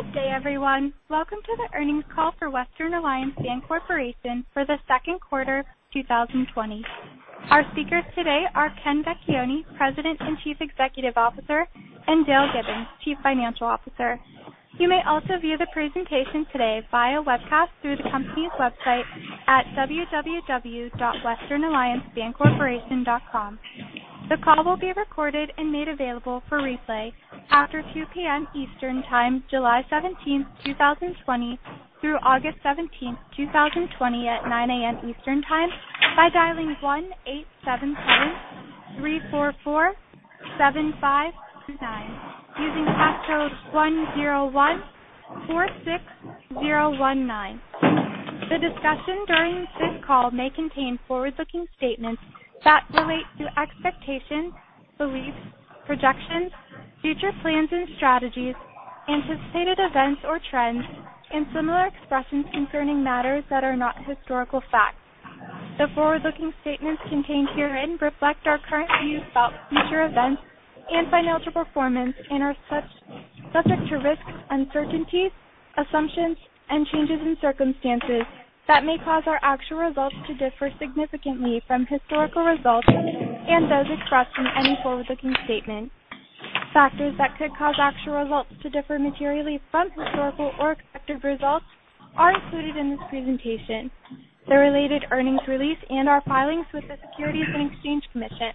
Good day, everyone. Welcome to the earnings call for Western Alliance Bancorporation for the second quarter 2020. Our speakers today are Ken Vecchione, President and Chief Executive Officer, and Dale Gibbons, Chief Financial Officer. You may also view the presentation today via webcast through the company's website at www.westernalliancebancorporation.com. The call will be recorded and made available for replay after 2:00 P.M. Eastern Time, July 17th, 2020, through August 17th, 2020 at 9:00 A.M. Eastern Time by dialing 1-877-344-7599, using pass code 10146019. The discussion during this call may contain forward-looking statements that relate to expectations, beliefs, projections, future plans and strategies, anticipated events or trends, and similar expressions concerning matters that are not historical facts. The forward-looking statements contained herein reflect our current views about future events and financial performance, are subject to risks, uncertainties, assumptions, and changes in circumstances that may cause our actual results to differ significantly from historical results and those expressed in any forward-looking statement. Factors that could cause actual results to differ materially from historical or expected results are included in this presentation, the related earnings release, and our filings with the Securities and Exchange Commission.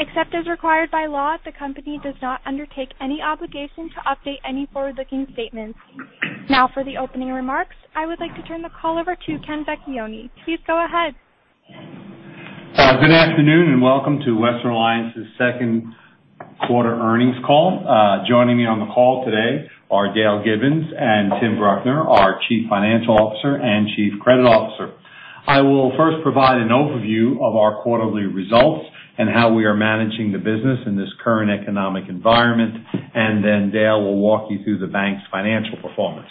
Except as required by law, the company does not undertake any obligation to update any forward-looking statements. For the opening remarks, I would like to turn the call over to Ken Vecchione. Please go ahead. Good afternoon, and welcome to Western Alliance's second quarter earnings call. Joining me on the call today are Dale Gibbons and Tim Bruckner, our Chief Financial Officer and Chief Credit Officer. I will first provide an overview of our quarterly results and how we are managing the business in this current economic environment, and then Dale will walk you through the bank's financial performance.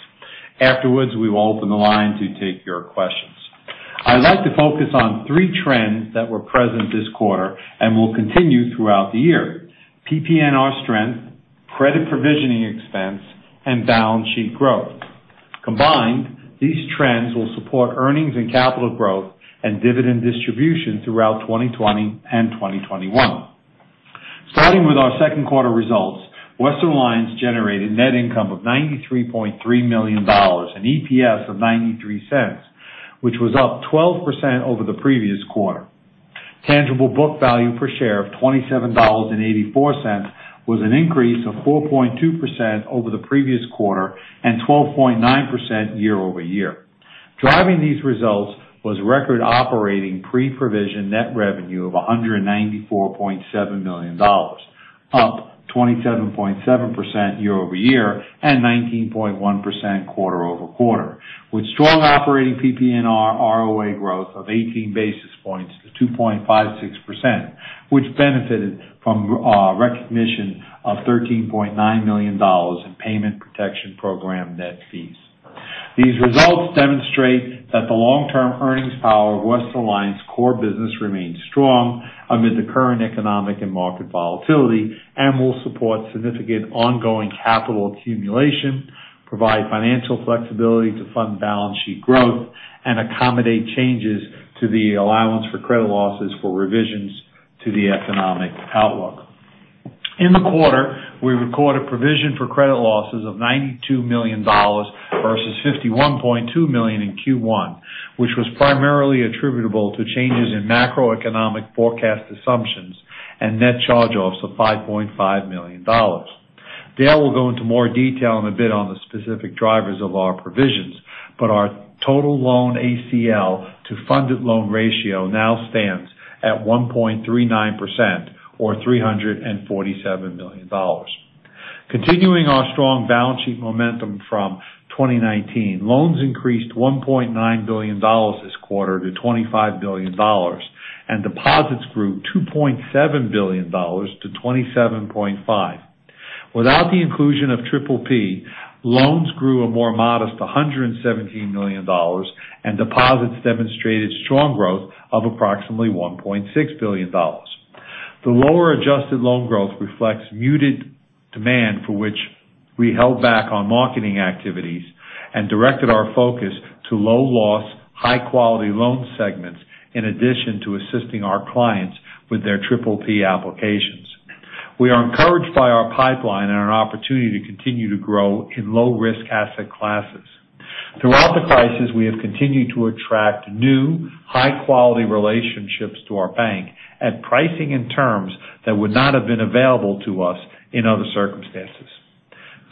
Afterwards, we will open the line to take your questions. I'd like to focus on three trends that were present this quarter and will continue throughout the year: PPNR strength, credit provisioning expense, and balance sheet growth. Combined, these trends will support earnings and capital growth and dividend distribution throughout 2020 and 2021. Starting with our second quarter results, Western Alliance generated net income of $93.3 million, an EPS of $0.93, which was up 12% over the previous quarter. Tangible book value per share of $27.84 was an increase of 4.2% over the previous quarter and 12.9% year-over-year. Driving these results was record operating pre-provision net revenue of $194.7 million, up 27.7% year-over-year and 19.1% quarter-over-quarter, with strong operating PPNR ROA growth of 18 basis points to 2.56%, which benefited from recognition of $13.9 million in Paycheck Protection Program net fees. These results demonstrate that the long-term earnings power of Western Alliance core business remains strong amid the current economic and market volatility and will support significant ongoing capital accumulation, provide financial flexibility to fund balance sheet growth, and accommodate changes to the allowance for credit losses for revisions to the economic outlook. In the quarter, we recorded provision for credit losses of $92 million versus $51.2 million in Q1, which was primarily attributable to changes in macroeconomic forecast assumptions and net charge-offs of $5.5 million. Dale will go into more detail in a bit on the specific drivers of our provisions, but our total loan ACL to funded loan ratio now stands at 1.39%, or $347 million. Continuing our strong balance sheet momentum from 2019, loans increased $1.9 billion this quarter to $25 billion, and deposits grew $2.7 billion to $27.5 billion. Without the inclusion of PPP, loans grew a more modest $117 million, and deposits demonstrated strong growth of approximately $1.6 billion. The lower adjusted loan growth reflects muted demand for which we held back on marketing activities and directed our focus to low-loss, high-quality loan segments, in addition to assisting our clients with their PPP applications. We are encouraged by our pipeline and our opportunity to continue to grow in low-risk asset classes. Throughout the crisis, we have continued to attract new, high-quality relationships to our bank at pricing and terms that would not have been available to us in other circumstances.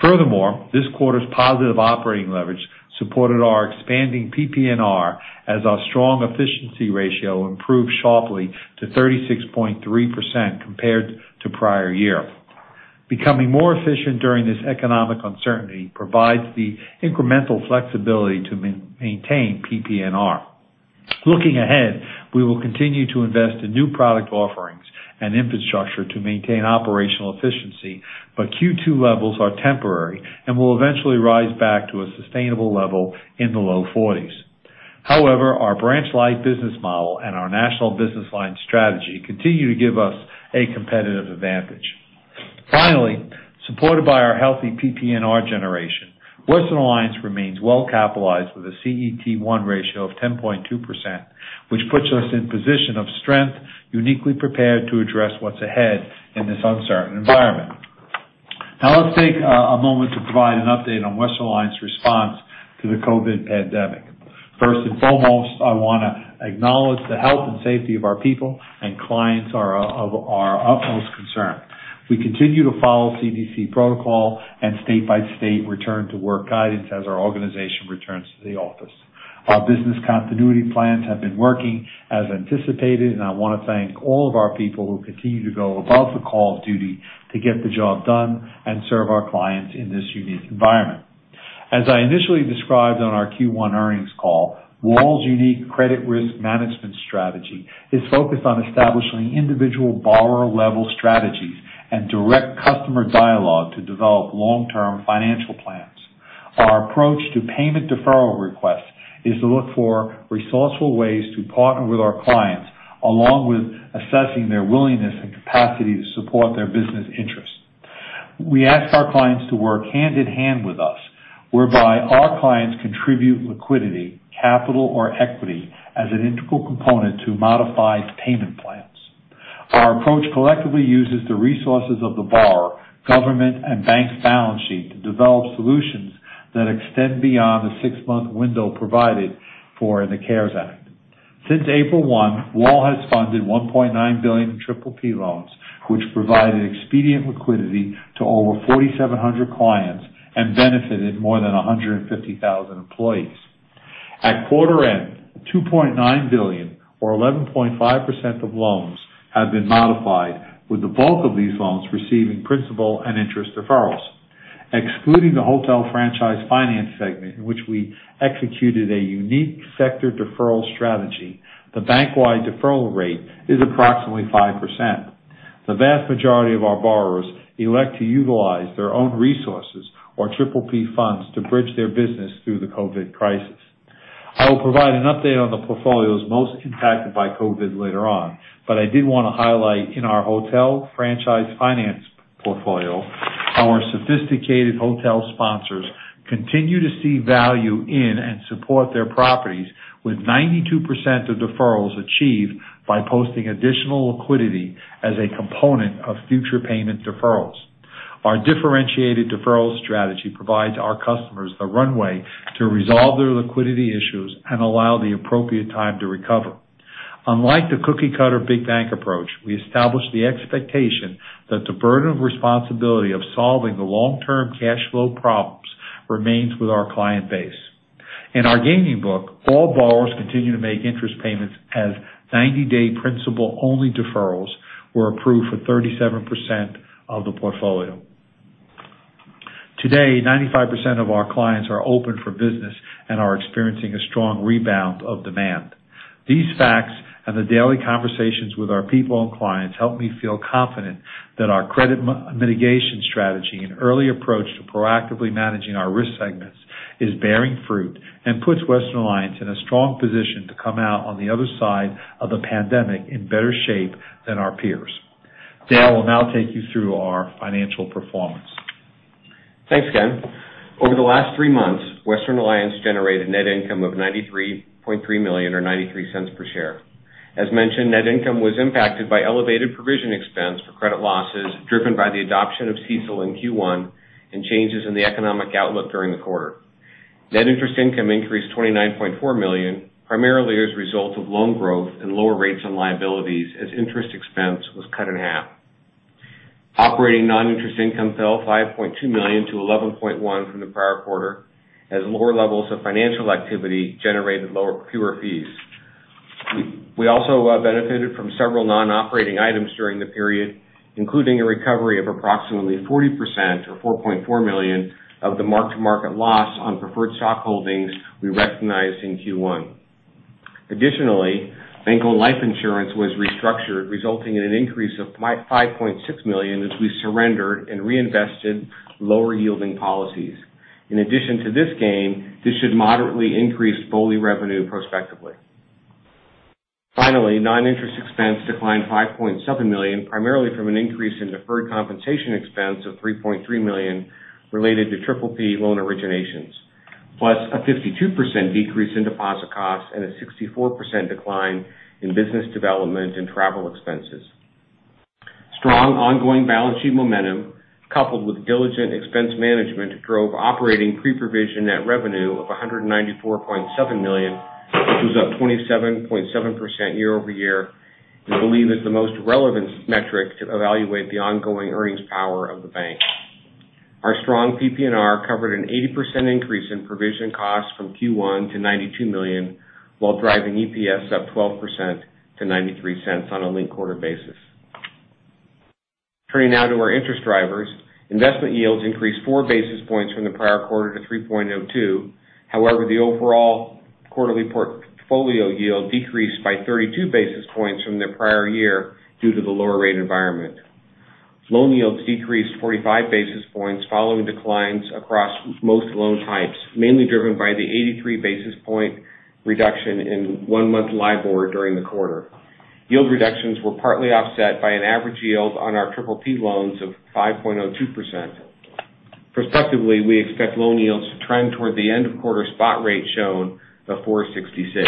Furthermore, this quarter's positive operating leverage supported our expanding PPNR as our strong efficiency ratio improved sharply to 36.3% compared to prior year. Becoming more efficient during this economic uncertainty provides the incremental flexibility to maintain PPNR. Looking ahead, we will continue to invest in new product offerings and infrastructure to maintain operational efficiency, but Q2 levels are temporary and will eventually rise back to a sustainable level in the low 40s. Our branch-lite business model and our national business line strategy continue to give us a competitive advantage. Finally, supported by our healthy PPNR generation, Western Alliance remains well-capitalized with a CET1 ratio of 10.2%, which puts us in position of strength, uniquely prepared to address what's ahead in this uncertain environment. Let's take a moment to provide an update on Western Alliance response to the COVID pandemic. First and foremost, I want to acknowledge the health and safety of our people and clients are of our utmost concern. We continue to follow CDC protocol and state-by-state return to work guidance as our organization returns to the office. Our business continuity plans have been working as anticipated, and I want to thank all of our people who continue to go above the call of duty to get the job done and serve our clients in this unique environment. As I initially described on our Q1 earnings call, WAL's unique credit risk management strategy is focused on establishing individual borrower-level strategies and direct customer dialogue to develop long-term financial plans. Our approach to payment deferral requests is to look for resourceful ways to partner with our clients, along with assessing their willingness and capacity to support their business interests. We ask our clients to work hand in hand with us, whereby our clients contribute liquidity, capital or equity as an integral component to modified payment plans. Our approach collectively uses the resources of the borrower, government, and bank's balance sheet to develop solutions that extend beyond the six-month window provided for in the CARES Act. Since April 1, WAL has funded $1.9 billion in PPP loans, which provided expedient liquidity to over 4,700 clients and benefited more than 150,000 employees. At quarter end, $2.9 billion or 11.5% of loans have been modified, with the bulk of these loans receiving principal and interest deferrals. Excluding the hotel franchise finance segment in which we executed a unique sector deferral strategy, the bank-wide deferral rate is approximately 5%. The vast majority of our borrowers elect to utilize their own resources or PPP funds to bridge their business through the COVID crisis. I will provide an update on the portfolios most impacted by COVID later on, but I did want to highlight in our hotel franchise finance portfolio, our sophisticated hotel sponsors continue to see value in and support their properties with 92% of deferrals achieved by posting additional liquidity as a component of future payment deferrals. Our differentiated deferral strategy provides our customers the runway to resolve their liquidity issues and allow the appropriate time to recover. Unlike the cookie-cutter big bank approach, we established the expectation that the burden of responsibility of solving the long-term cash flow problems remains with our client base. In our gaming book, all borrowers continue to make interest payments as 90-day principal only deferrals were approved for 37% of the portfolio. Today, 95% of our clients are open for business and are experiencing a strong rebound of demand. These facts and the daily conversations with our people and clients help me feel confident that our credit mitigation strategy and early approach to proactively managing our risk segments is bearing fruit and puts Western Alliance in a strong position to come out on the other side of the pandemic in better shape than our peers. Dale will now take you through our financial performance. Thanks, Ken. Over the last three months, Western Alliance generated net income of $93.3 million or $0.93 per share. As mentioned, net income was impacted by elevated provision expense for credit losses driven by the adoption of CECL in Q1 and changes in the economic outlook during the quarter. Net interest income increased $29.4 million, primarily as a result of loan growth and lower rates on liabilities as interest expense was cut in half. Operating non-interest income fell $5.2 million to $11.1 from the prior quarter, as lower levels of financial activity generated lower, fewer fees. We also benefited from several non-operating items during the period, including a recovery of approximately 40% or $4.4 million of the mark-to-market loss on preferred stock holdings we recognized in Q1. Bank-owned life insurance was restructured, resulting in an increase of $5.6 million as we surrendered and reinvested lower-yielding policies. In addition to this gain, this should moderately increase BOLI revenue prospectively. Non-interest expense declined $5.7 million, primarily from an increase in deferred compensation expense of $3.3 million related to PPP loan originations, plus a 52% decrease in deposit costs and a 64% decline in business development and travel expenses. Strong ongoing balance sheet momentum coupled with diligent expense management drove operating pre-provision net revenue of $194.7 million, which was up 27.7% year-over-year. We believe it's the most relevant metric to evaluate the ongoing earnings power of the bank. Our strong PPNR covered an 80% increase in provision costs from Q1 to $92 million while driving EPS up 12% to $0.93 on a linked quarter basis. Turning now to our interest drivers. Investment yields increased four basis points from the prior quarter to 3.02. However, the overall quarterly portfolio yield decreased by 32 basis points from the prior year due to the lower rate environment. Loan yields decreased 45 basis points following declines across most loan types, mainly driven by the 83 basis point reduction in one-month LIBOR during the quarter. Yield reductions were partly offset by an average yield on our PPP loans of 5.02%. Prospectively, we expect loan yields to trend toward the end-of-quarter spot rate shown of 466.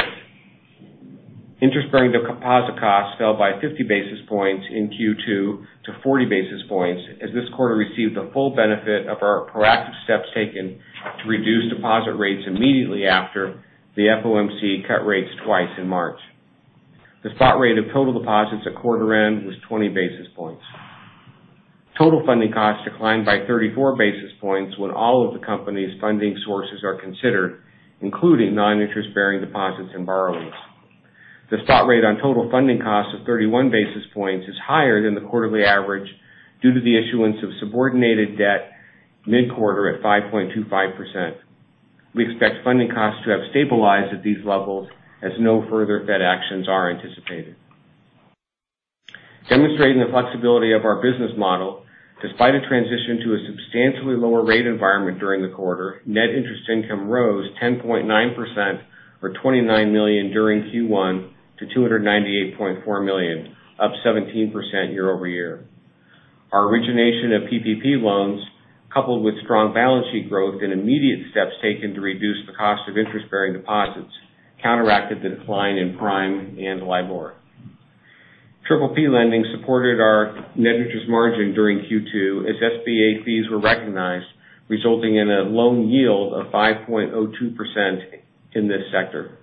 Interest-bearing deposit costs fell by 50 basis points in Q2 to 40 basis points, as this quarter received the full benefit of our proactive steps taken to reduce deposit rates immediately after the FOMC cut rates twice in March. The spot rate of total deposits at quarter end was 20 basis points. Total funding costs declined by 34 basis points when all of the company's funding sources are considered, including non-interest-bearing deposits and borrowings. The spot rate on total funding costs of 31 basis points is higher than the quarterly average due to the issuance of subordinated debt mid-quarter at 5.25%. We expect funding costs to have stabilized at these levels as no further Fed actions are anticipated. Demonstrating the flexibility of our business model, despite a transition to a substantially lower rate environment during the quarter, net interest income rose 10.9%, or $29 million during Q1 to $298.4 million, up 17% year-over-year. Our origination of PPP loans, coupled with strong balance sheet growth and immediate steps taken to reduce the cost of interest-bearing deposits, counteracted the decline in prime and LIBOR. PPP lending supported our net interest margin during Q2 as SBA fees were recognized, resulting in a loan yield of 5.02% in this sector.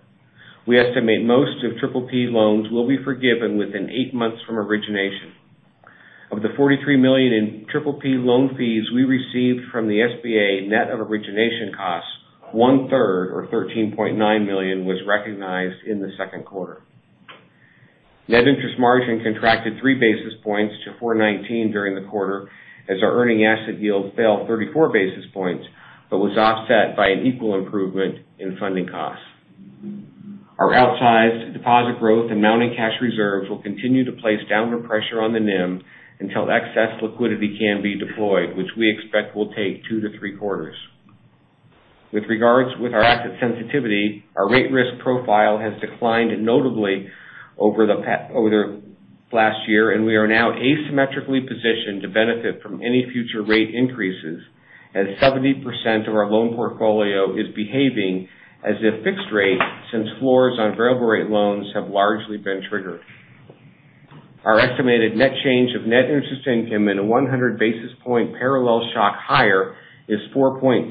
We estimate most of PPP loans will be forgiven within eight months from origination. Of the $43 million in PPP loan fees we received from the SBA net of origination costs, one third, or $13.9 million, was recognized in the second quarter. Net interest margin contracted three basis points to 419 during the quarter as our earning asset yield fell 34 basis points but was offset by an equal improvement in funding costs. Our outsized deposit growth and mounting cash reserves will continue to place downward pressure on the NIM until excess liquidity can be deployed, which we expect will take two to three quarters. With regards with our asset sensitivity, our rate risk profile has declined notably over last year, and we are now asymmetrically positioned to benefit from any future rate increases as 70% of our loan portfolio is behaving as if fixed rate since floors on variable rate loans have largely been triggered. Our estimated net change of net interest income in a 100 basis point parallel shock higher is 4.2%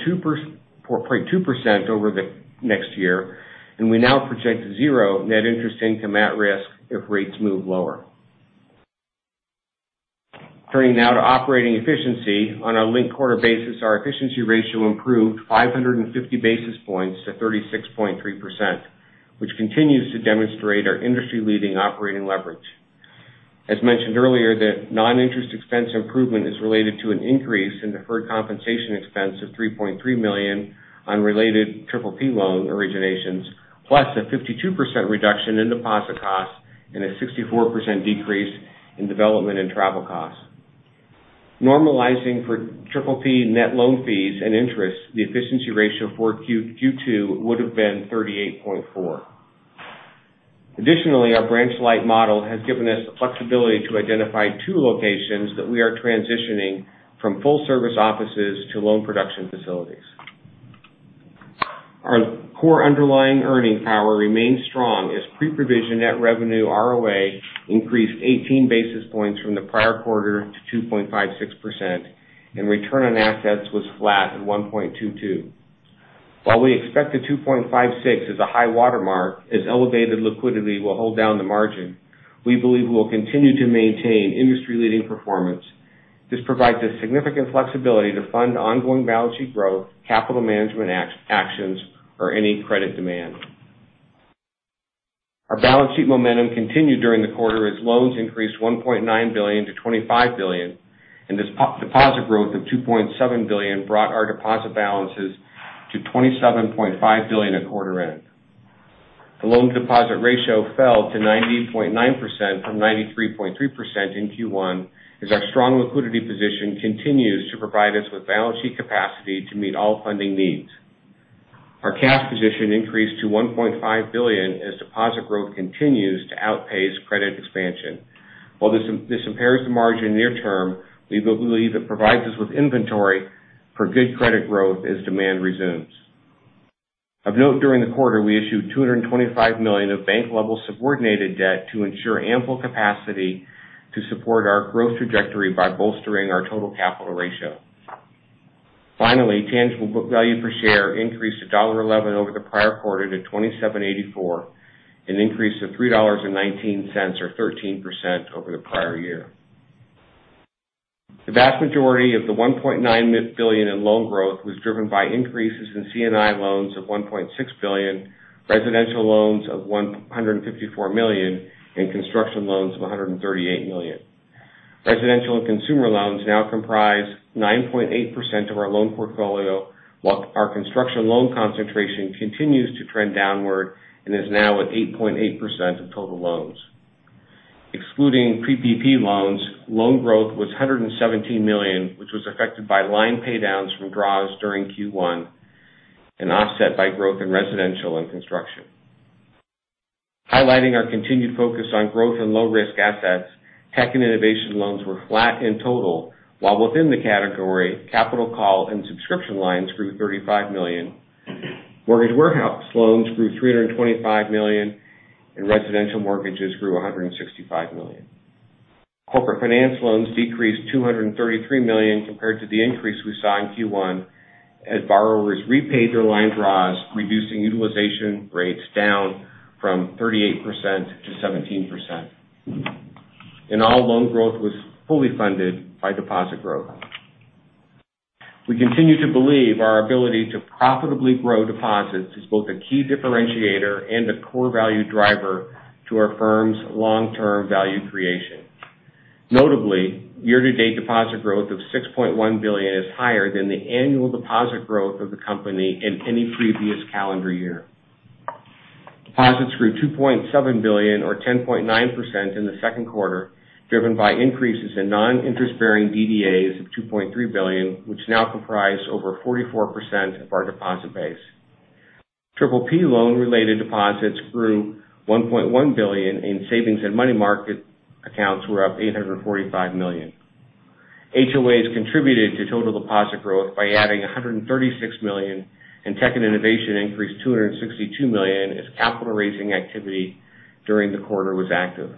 over the next year, and we now project zero net interest income at risk if rates move lower. Turning now to operating efficiency. On a linked quarter basis, our efficiency ratio improved 550 basis points to 36.3%, which continues to demonstrate our industry-leading operating leverage. As mentioned earlier, the non-interest expense improvement is related to an increase in deferred compensation expense of $3.3 million on related PPP loan originations, plus a 52% reduction in deposit costs and a 64% decrease in development and travel costs. Normalizing for PPP net loan fees and interest, the efficiency ratio for Q2 would've been 38.4%. Additionally, our branch lite model has given us the flexibility to identify two locations that we are transitioning from full-service offices to loan production facilities. Our core underlying earning power remains strong as PPNR ROA increased 18 basis points from the prior quarter to 2.56%, and return on assets was flat at 1.22%. While we expect the 2.56% as a high watermark as elevated liquidity will hold down the margin, we believe we'll continue to maintain industry-leading performance. This provides us significant flexibility to fund ongoing balance sheet growth, capital management actions, or any credit demand. Our balance sheet momentum continued during the quarter as loans increased $1.9 billion to $25 billion, and this deposit growth of $2.7 billion brought our deposit balances to $27.5 billion at quarter end. The loan deposit ratio fell to 90.9% from 93.3% in Q1 as our strong liquidity position continues to provide us with balance sheet capacity to meet all funding needs. Our cash position increased to $1.5 billion as deposit growth continues to outpace credit expansion. While this impairs the margin near term, we believe it provides us with inventory for good credit growth as demand resumes. Of note, during the quarter, we issued $225 million of bank-level subordinated debt to ensure ample capacity to support our growth trajectory by bolstering our total capital ratio. Finally, tangible book value per share increased to $1.11 over the prior quarter to $27.84, an increase of $3.19 or 13% over the prior year. The vast majority of the $1.9 billion in loan growth was driven by increases in C&I loans of $1.6 billion, residential loans of $154 million, and construction loans of $138 million. Residential and consumer loans now comprise 9.8% of our loan portfolio, while our construction loan concentration continues to trend downward and is now at 8.8% of total loans. Excluding PPP loans, loan growth was $117 million, which was affected by line paydowns from draws during Q1 and offset by growth in residential and construction. Highlighting our continued focus on growth in low-risk assets, tech and innovation loans were flat in total, while within the category, capital call and subscription lines grew $35 million. Mortgage warehouse loans grew $325 million, and residential mortgages grew $165 million. Corporate finance loans decreased $233 million compared to the increase we saw in Q1 as borrowers repaid their line draws, reducing utilization rates down from 38% to 17%. In all, loan growth was fully funded by deposit growth. We continue to believe our ability to profitably grow deposits is both a key differentiator and a core value driver to our firm's long-term value creation. Notably, year-to-date deposit growth of $6.1 billion is higher than the annual deposit growth of the company in any previous calendar year. Deposits grew $2.7 billion or 10.9% in the second quarter, driven by increases in non-interest-bearing DDAs of $2.3 billion, which now comprise over 44% of our deposit base. PPP loan-related deposits grew $1.1 billion in savings and money market accounts were up $845 million. HOAs contributed to total deposit growth by adding $136 million, and tech and innovation increased $262 million as capital-raising activity during the quarter was active.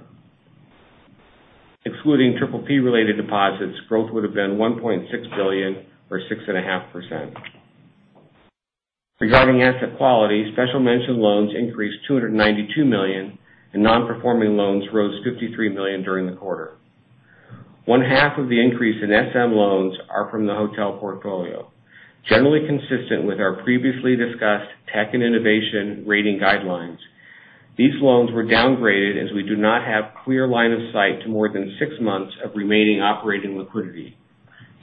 Excluding PPP-related deposits, growth would've been $1.6 billion or 6.5%. Regarding asset quality, special mention loans increased $292 million, and non-performing loans rose $53 million during the quarter. One half of the increase in SM loans are from the hotel portfolio. Generally consistent with our previously discussed tech and innovation rating guidelines, these loans were downgraded as we do not have clear line of sight to more than six months of remaining operating liquidity.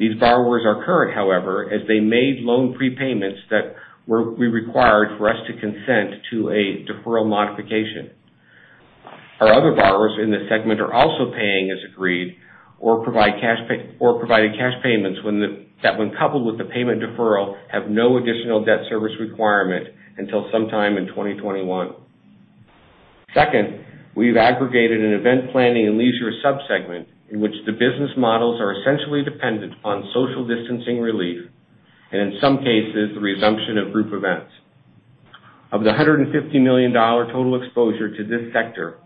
These borrowers are current, however, as they made loan prepayments that we required for us to consent to a deferral modification. Our other borrowers in this segment are also paying as agreed or provided cash payments that when coupled with the payment deferral, have no additional debt service requirement until sometime in 2021. Second, we've aggregated an event planning and leisure sub-segment in which the business models are essentially dependent on social distancing relief and in some cases, the resumption of group events. Of the $150 million total exposure to this sector,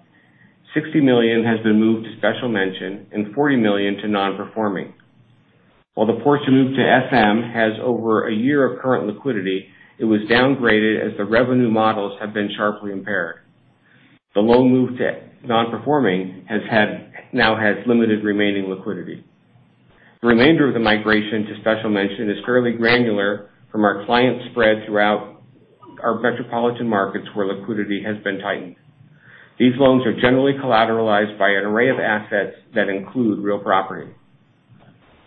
$60 million has been moved to special mention and $40 million to non-performing. While the portion moved to SM has over a year of current liquidity, it was downgraded as the revenue models have been sharply impaired. The loan moved to non-performing now has limited remaining liquidity. The remainder of the migration to Special Mention is fairly granular from our client spread throughout our metropolitan markets where liquidity has been tightened. These loans are generally collateralized by an array of assets that include real property.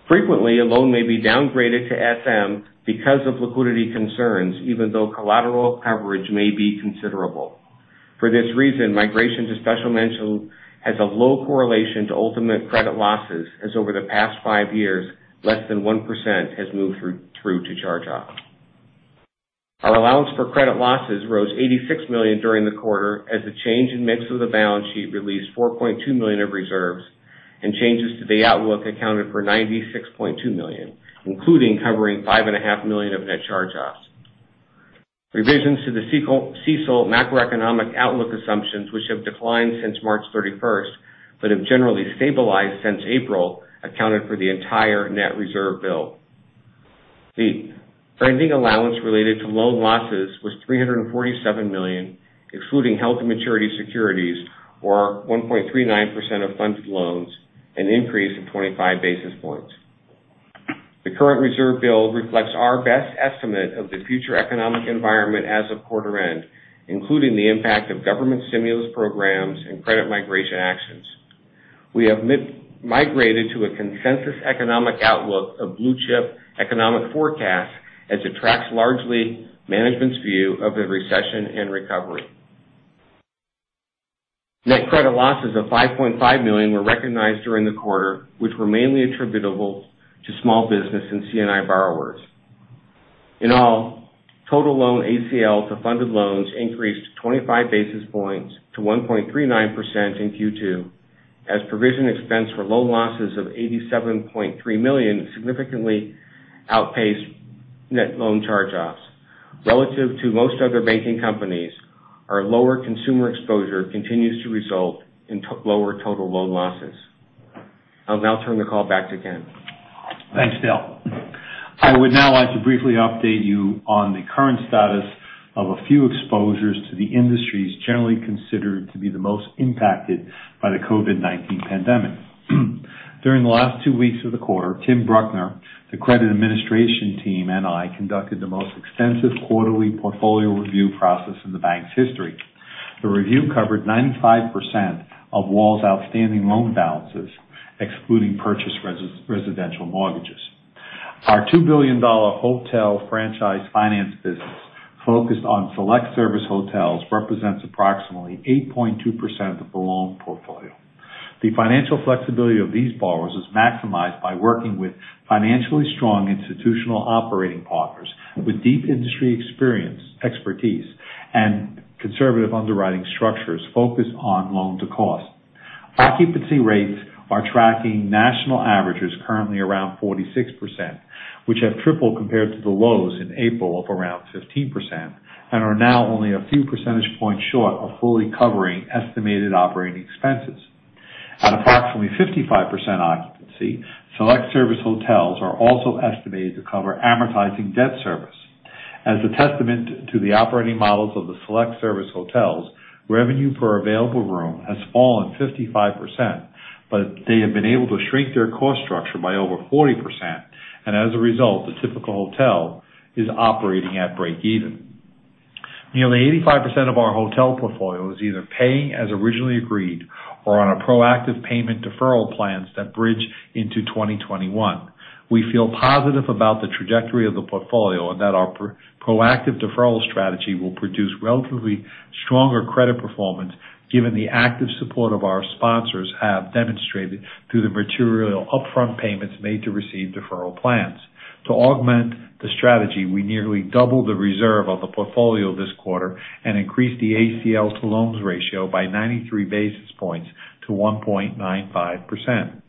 Frequently, a loan may be downgraded to SM because of liquidity concerns, even though collateral coverage may be considerable. For this reason, migration to Special Mention has a low correlation to ultimate credit losses, as over the past five years, less than 1% has moved through to charge-off. Our allowance for credit losses rose $86 million during the quarter as the change in mix of the balance sheet released $4.2 million of reserves, changes to the outlook accounted for $96.2 million, including covering $5.5 million of net charge-offs. Revisions to the CECL macroeconomic outlook assumptions which have declined since March 31st but have generally stabilized since April, accounted for the entire net reserve bill. The funding allowance related to loan losses was $347 million, excluding held to maturity securities, or 1.39% of funded loans, an increase of 25 basis points. The current reserve bill reflects our best estimate of the future economic environment as of quarter end, including the impact of government stimulus programs and credit migration actions. We have migrated to a consensus economic outlook of Blue Chip Economic Indicators as it tracks largely management's view of the recession and recovery. Net credit losses of $5.5 million were recognized during the quarter, which were mainly attributable to small business and C&I borrowers. In all, total loan ACL to funded loans increased 25 basis points to 1.39% in Q2, as provision expense for loan losses of $87.3 million significantly outpaced net loan charge-offs. Relative to most other banking companies, our lower consumer exposure continues to result in lower total loan losses. I'll now turn the call back to Ken. Thanks, Dale. I would now like to briefly update you on the current status of a few exposures to the industries generally considered to be the most impacted by the COVID-19 pandemic. During the last two weeks of the quarter, Tim Bruckner, the credit administration team, and I conducted the most extensive quarterly portfolio review process in the bank's history. The review covered 95% of WAL's outstanding loan balances, excluding purchase residential mortgages. Our $2 billion hotel franchise finance business, focused on select service hotels, represents approximately 8.2% of the loan portfolio. The financial flexibility of these borrowers is maximized by working with financially strong institutional operating partners with deep industry experience, expertise, and conservative underwriting structures focused on loan-to-cost. Occupancy rates are tracking national averages currently around 46%, which have tripled compared to the lows in April of around 15%, and are now only a few percentage points short of fully covering estimated operating expenses. At approximately 55% occupancy, select service hotels are also estimated to cover amortizing debt service. As a testament to the operating models of the select service hotels, revenue per available room has fallen 55%, but they have been able to shrink their cost structure by over 40%, and as a result, the typical hotel is operating at breakeven. Nearly 85% of our hotel portfolio is either paying as originally agreed or on a proactive payment deferral plans that bridge into 2021. We feel positive about the trajectory of the portfolio and that our proactive deferral strategy will produce relatively stronger credit performance given the active support of our sponsors have demonstrated through the material upfront payments made to receive deferral plans. To augment the strategy, we nearly doubled the reserve of the portfolio this quarter and increased the ACL to loans ratio by 93 basis points to 1.95%.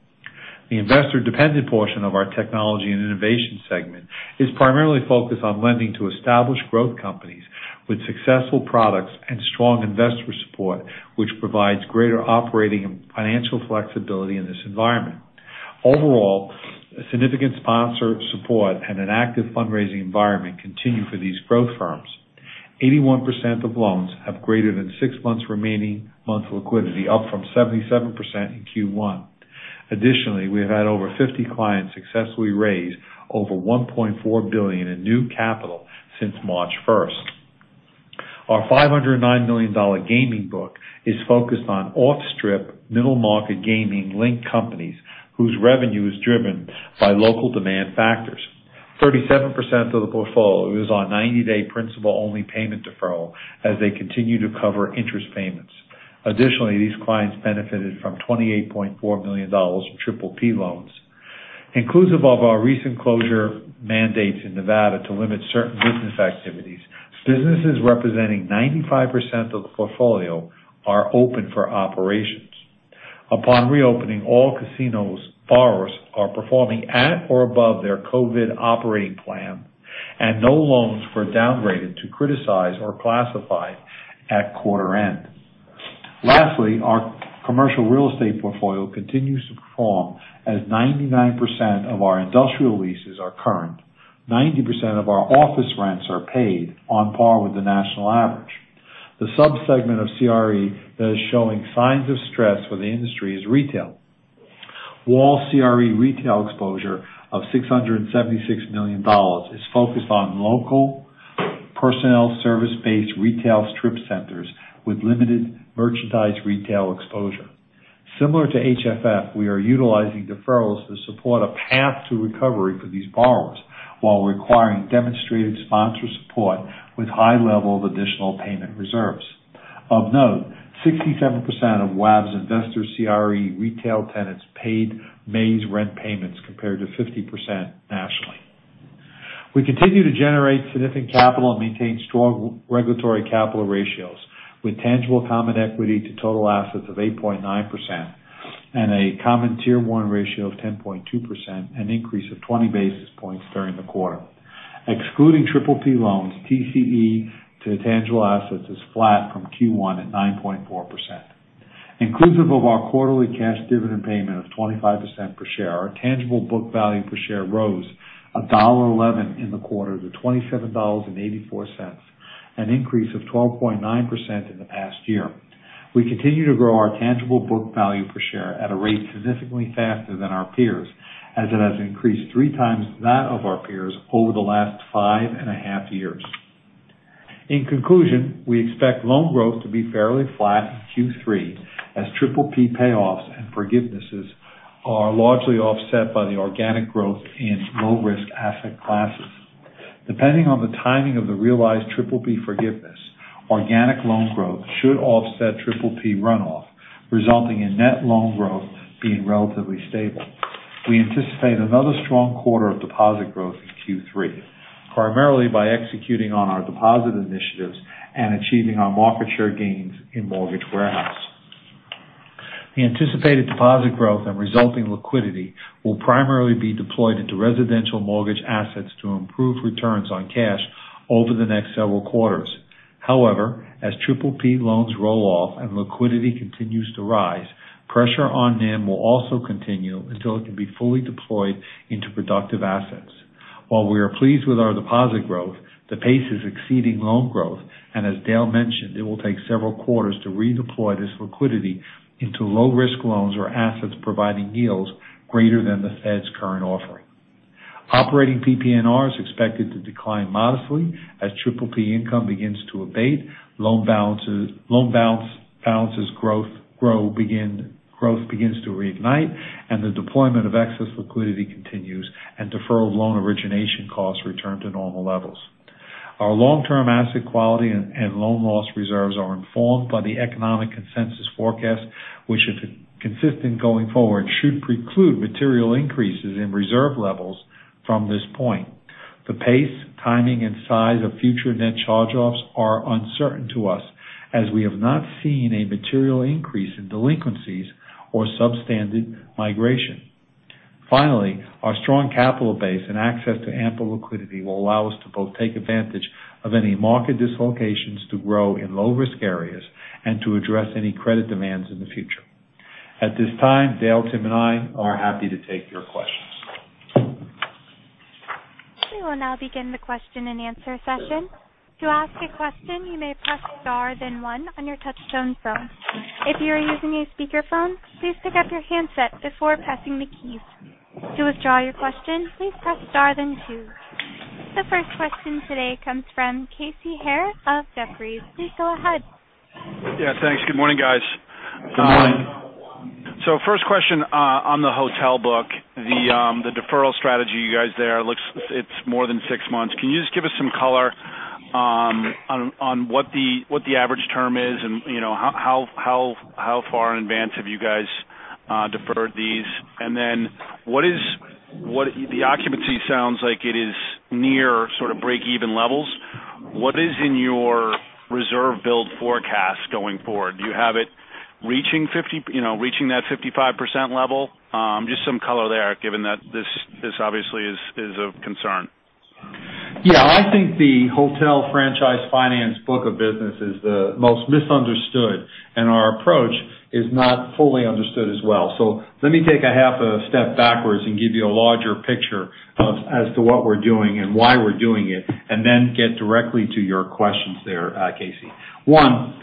The investor-dependent portion of our technology and innovation segment is primarily focused on lending to established growth companies with successful products and strong investor support, which provides greater operating and financial flexibility in this environment. Overall, significant sponsor support and an active fundraising environment continue for these growth firms. 81% of loans have greater than six months remaining month liquidity, up from 77% in Q1. Additionally, we have had over 50 clients successfully raise over $1.4 billion in new capital since March 1st. Our $509 million gaming book is focused on off-strip middle-market gaming linked companies whose revenue is driven by local demand factors. 37% of the portfolio is on 90-day principal-only payment deferral as they continue to cover interest payments. Additionally, these clients benefited from $28.4 million of PPP loans. Inclusive of our recent closure mandates in Nevada to limit certain business activities, businesses representing 95% of the portfolio are open for operations. Upon reopening all casinos, borrowers are performing at or above their COVID operating plan, and no loans were downgraded to criticize or classified at quarter end. Lastly, our commercial real estate portfolio continues to perform as 99% of our industrial leases are current. 90% of our office rents are paid on par with the national average. The sub-segment of CRE that is showing signs of stress for the industry is retail. WAL CRE retail exposure of $676 million is focused on local personnel service-based retail strip centers with limited merchandise retail exposure. Similar to HFF, we are utilizing deferrals to support a path to recovery for these borrowers while requiring demonstrated sponsor support with high level of additional payment reserves. Of note, 67% of WAL's investor CRE retail tenants paid May's rent payments compared to 50% nationally. We continue to generate significant capital and maintain strong regulatory capital ratios with tangible common equity to total assets of 8.9% and a common Tier 1 ratio of 10.2%, an increase of 20 basis points during the quarter. Excluding PPP loans, TCE to tangible assets is flat from Q1 at 9.4%. Inclusive of our quarterly cash dividend payment of $0.25 per share, our tangible book value per share rose $1.11 in the quarter to $27.84, an increase of 12.9% in the past year. We continue to grow our tangible book value per share at a rate significantly faster than our peers, as it has increased three times that of our peers over the last five and a half years. In conclusion, we expect loan growth to be fairly flat in Q3 as PPP payoffs and forgivenesses are largely offset by the organic growth in low-risk asset classes. Depending on the timing of the realized PPP forgiveness, organic loan growth should offset PPP runoff, resulting in net loan growth being relatively stable. We anticipate another strong quarter of deposit growth in Q3, primarily by executing on our deposit initiatives and achieving our market share gains in mortgage warehouse. The anticipated deposit growth and resulting liquidity will primarily be deployed into residential mortgage assets to improve returns on cash over the next several quarters. However, as PPP loans roll off and liquidity continues to rise, pressure on NIM will also continue until it can be fully deployed into productive assets. While we are pleased with our deposit growth, the pace is exceeding loan growth, and as Dale mentioned, it will take several quarters to redeploy this liquidity into low-risk loans or assets providing yields greater than the Fed's current offering. Operating PPNR is expected to decline modestly as PPP income begins to abate, loan balance growth begins to reignite, and the deployment of excess liquidity continues and deferred loan origination costs return to normal levels. Our long-term asset quality and loan loss reserves are informed by the economic consensus forecast, which, if consistent going forward, should preclude material increases in reserve levels from this point. The pace, timing, and size of future net charge-offs are uncertain to us, as we have not seen a material increase in delinquencies or substandard migration. Finally, our strong capital base and access to ample liquidity will allow us to both take advantage of any market dislocations to grow in low-risk areas and to address any credit demands in the future. At this time, Dale, Tim, and I are happy to take your questions. We will now begin the question and answer session. To ask a question, you may press star then one on your touchtone phone. If you are using a speakerphone, please pick up your handset before pressing the keys. To withdraw your question, please press star then two. The first question today comes from Casey Haire of Jefferies. Please go ahead. Yeah, thanks. Good morning, guys. First question on the hotel book. The deferral strategy you guys there looks it's more than 6 months. Can you just give us some color on what the average term is and how far in advance have you guys deferred these? Then, the occupancy sounds like it is near sort of breakeven levels. What is in your reserve build forecast going forward? Do you have it reaching that 55% level? Just some color there, given that this obviously is of concern. I think the hotel franchise finance book of business is the most misunderstood, and our approach is not fully understood as well. Let me take a half a step backwards and give you a larger picture as to what we're doing and why we're doing it, and then get directly to your questions there, Casey. One,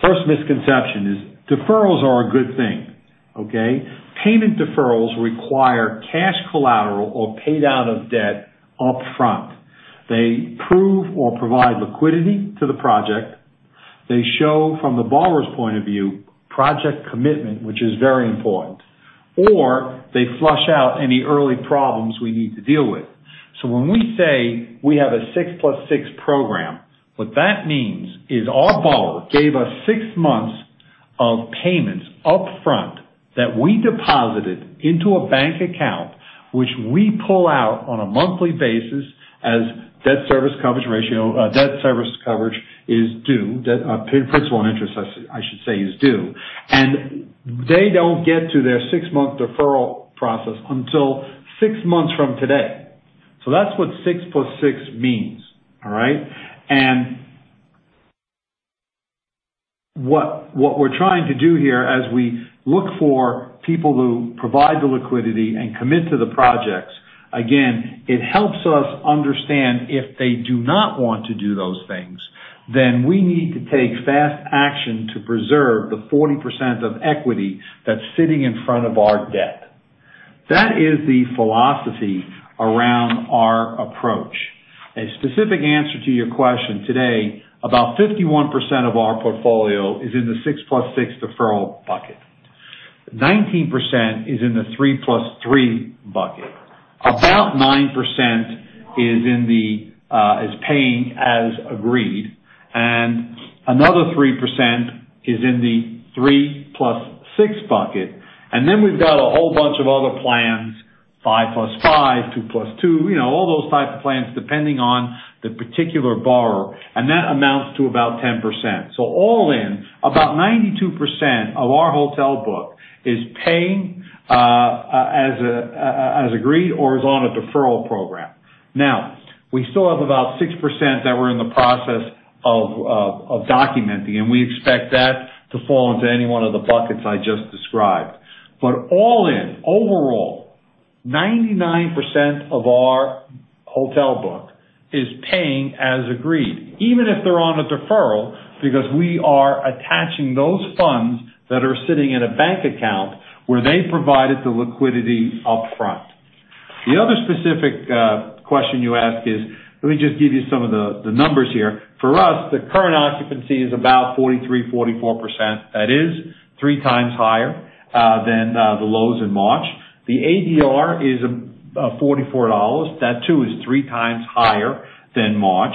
first misconception is deferrals are a good thing, okay? Payment deferrals require cash collateral or paid out of debt upfront. They prove or provide liquidity to the project. They show from the borrower's point of view, project commitment, which is very important, or they flush out any early problems we need to deal with. When we say we have a six plus six program, what that means is our borrower gave us 6 months of payments upfront that we deposited into a bank account which we pull out on a monthly basis as debt service coverage is due. Principal and interest, I should say, is due. They don't get to their 6-month deferral process until 6 months from today. That's what six plus six means. All right. What we're trying to do here as we look for people who provide the liquidity and commit to the projects, again, it helps us understand if they do not want to do those things, then we need to take fast action to preserve the 40% of equity that's sitting in front of our debt. That is the philosophy around our approach. A specific answer to your question today, about 51% of our portfolio is in the six plus six deferral bucket. 19% is in the three plus three bucket. About 9% is paying as agreed, and another 3% is in the three plus six bucket. We've got a whole bunch of other plans, five plus five, two plus two, all those types of plans, depending on the particular borrower, and that amounts to about 10%. All in, about 92% of our hotel book is paying as agreed or is on a deferral program. Now, we still have about 6% that we're in the process of documenting, and we expect that to fall into any one of the buckets I just described. All in, overall, 99% of our hotel book is paying as agreed, even if they're on a deferral, because we are attaching those funds that are sitting in a bank account where they provided the liquidity upfront. The other specific question you asked, let me just give you some of the numbers here. For us, the current occupancy is about 43%, 44%. That is three times higher than the lows in March. The ADR is $44. That, too, is three times higher than March.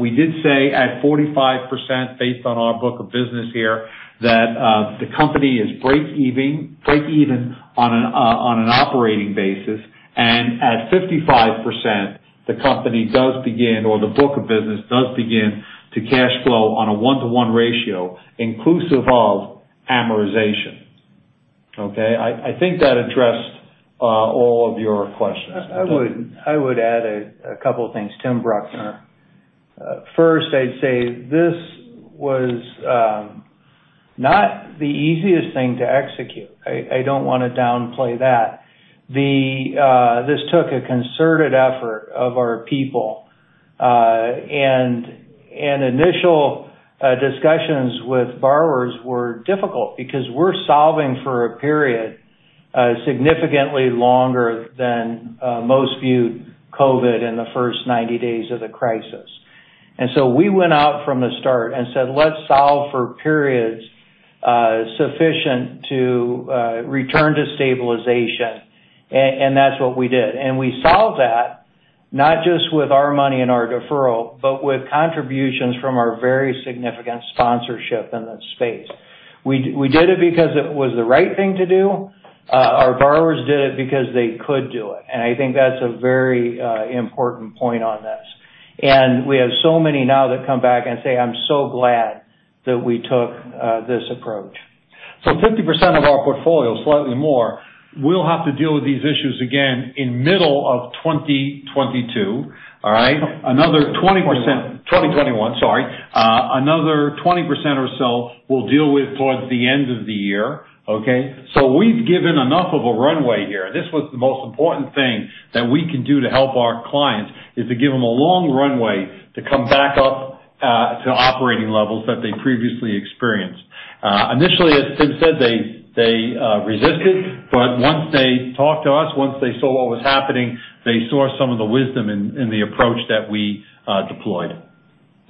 We did say at 45%, based on our book of business here, that the company is breakeven on an operating basis. At 55%, the company does begin, or the book of business does begin to cash flow on a one-to-one ratio inclusive of amortization. Okay? I think that addressed all of your questions. I would add a couple of things. Tim Bruckner. First, I'd say this was not the easiest thing to execute. I don't want to downplay that. This took a concerted effort of our people Initial discussions with borrowers were difficult because we're solving for a period significantly longer than most viewed COVID in the first 90 days of the crisis. So we went out from the start and said, "Let's solve for periods sufficient to return to stabilization." That's what we did. We solved that not just with our money and our deferral, but with contributions from our very significant sponsorship in the space. We did it because it was the right thing to do. Our borrowers did it because they could do it. I think that's a very important point on this. We have so many now that come back and say, "I'm so glad that we took this approach. 50% of our portfolio, slightly more, will have to deal with these issues again in middle of 2022. All right? 2021, sorry. Another 20% or so we'll deal with towards the end of the year. Okay? We've given enough of a runway here. This was the most important thing that we can do to help our clients, is to give them a long runway to come back up to operating levels that they previously experienced. Initially, as Tim said, they resisted, but once they talked to us, once they saw what was happening, they saw some of the wisdom in the approach that we deployed.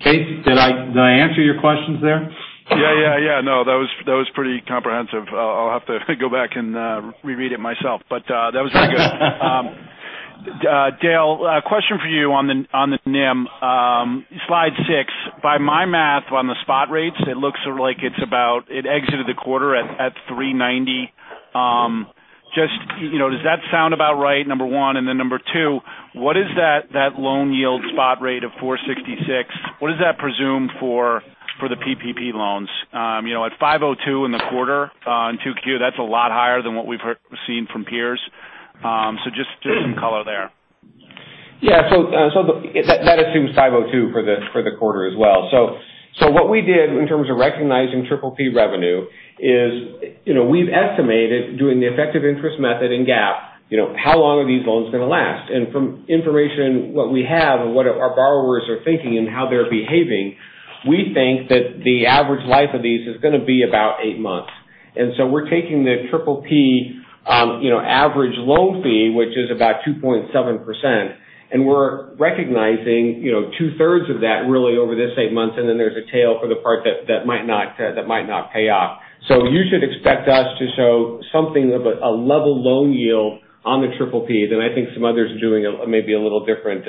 Casey, did I answer your questions there? Yeah. No, that was pretty comprehensive. I'll have to go back and re-read it myself. That was very good. Dale, question for you on the NIM. Slide six. By my math on the spot rates, it looks like it exited the quarter at 390. Does that sound about right, number one? Number two, what is that loan yield spot rate of 466? What does that presume for the PPP loans? At 502 in the quarter, in 2Q, that's a lot higher than what we've seen from peers. Just some color there. That assumes 502 for the quarter as well. What we did in terms of recognizing PPP revenue is we've estimated doing the effective interest method in GAAP, how long are these loans going to last? From information, what we have and what our borrowers are thinking and how they're behaving, we think that the average life of these is going to be about eight months. We're taking the PPP average loan fee, which is about 2.7%, and we're recognizing two-thirds of that really over this eight months, and then there's a tail for the part that might not pay off. You should expect us to show something of a level loan yield on the PPP. I think some others are doing maybe a little different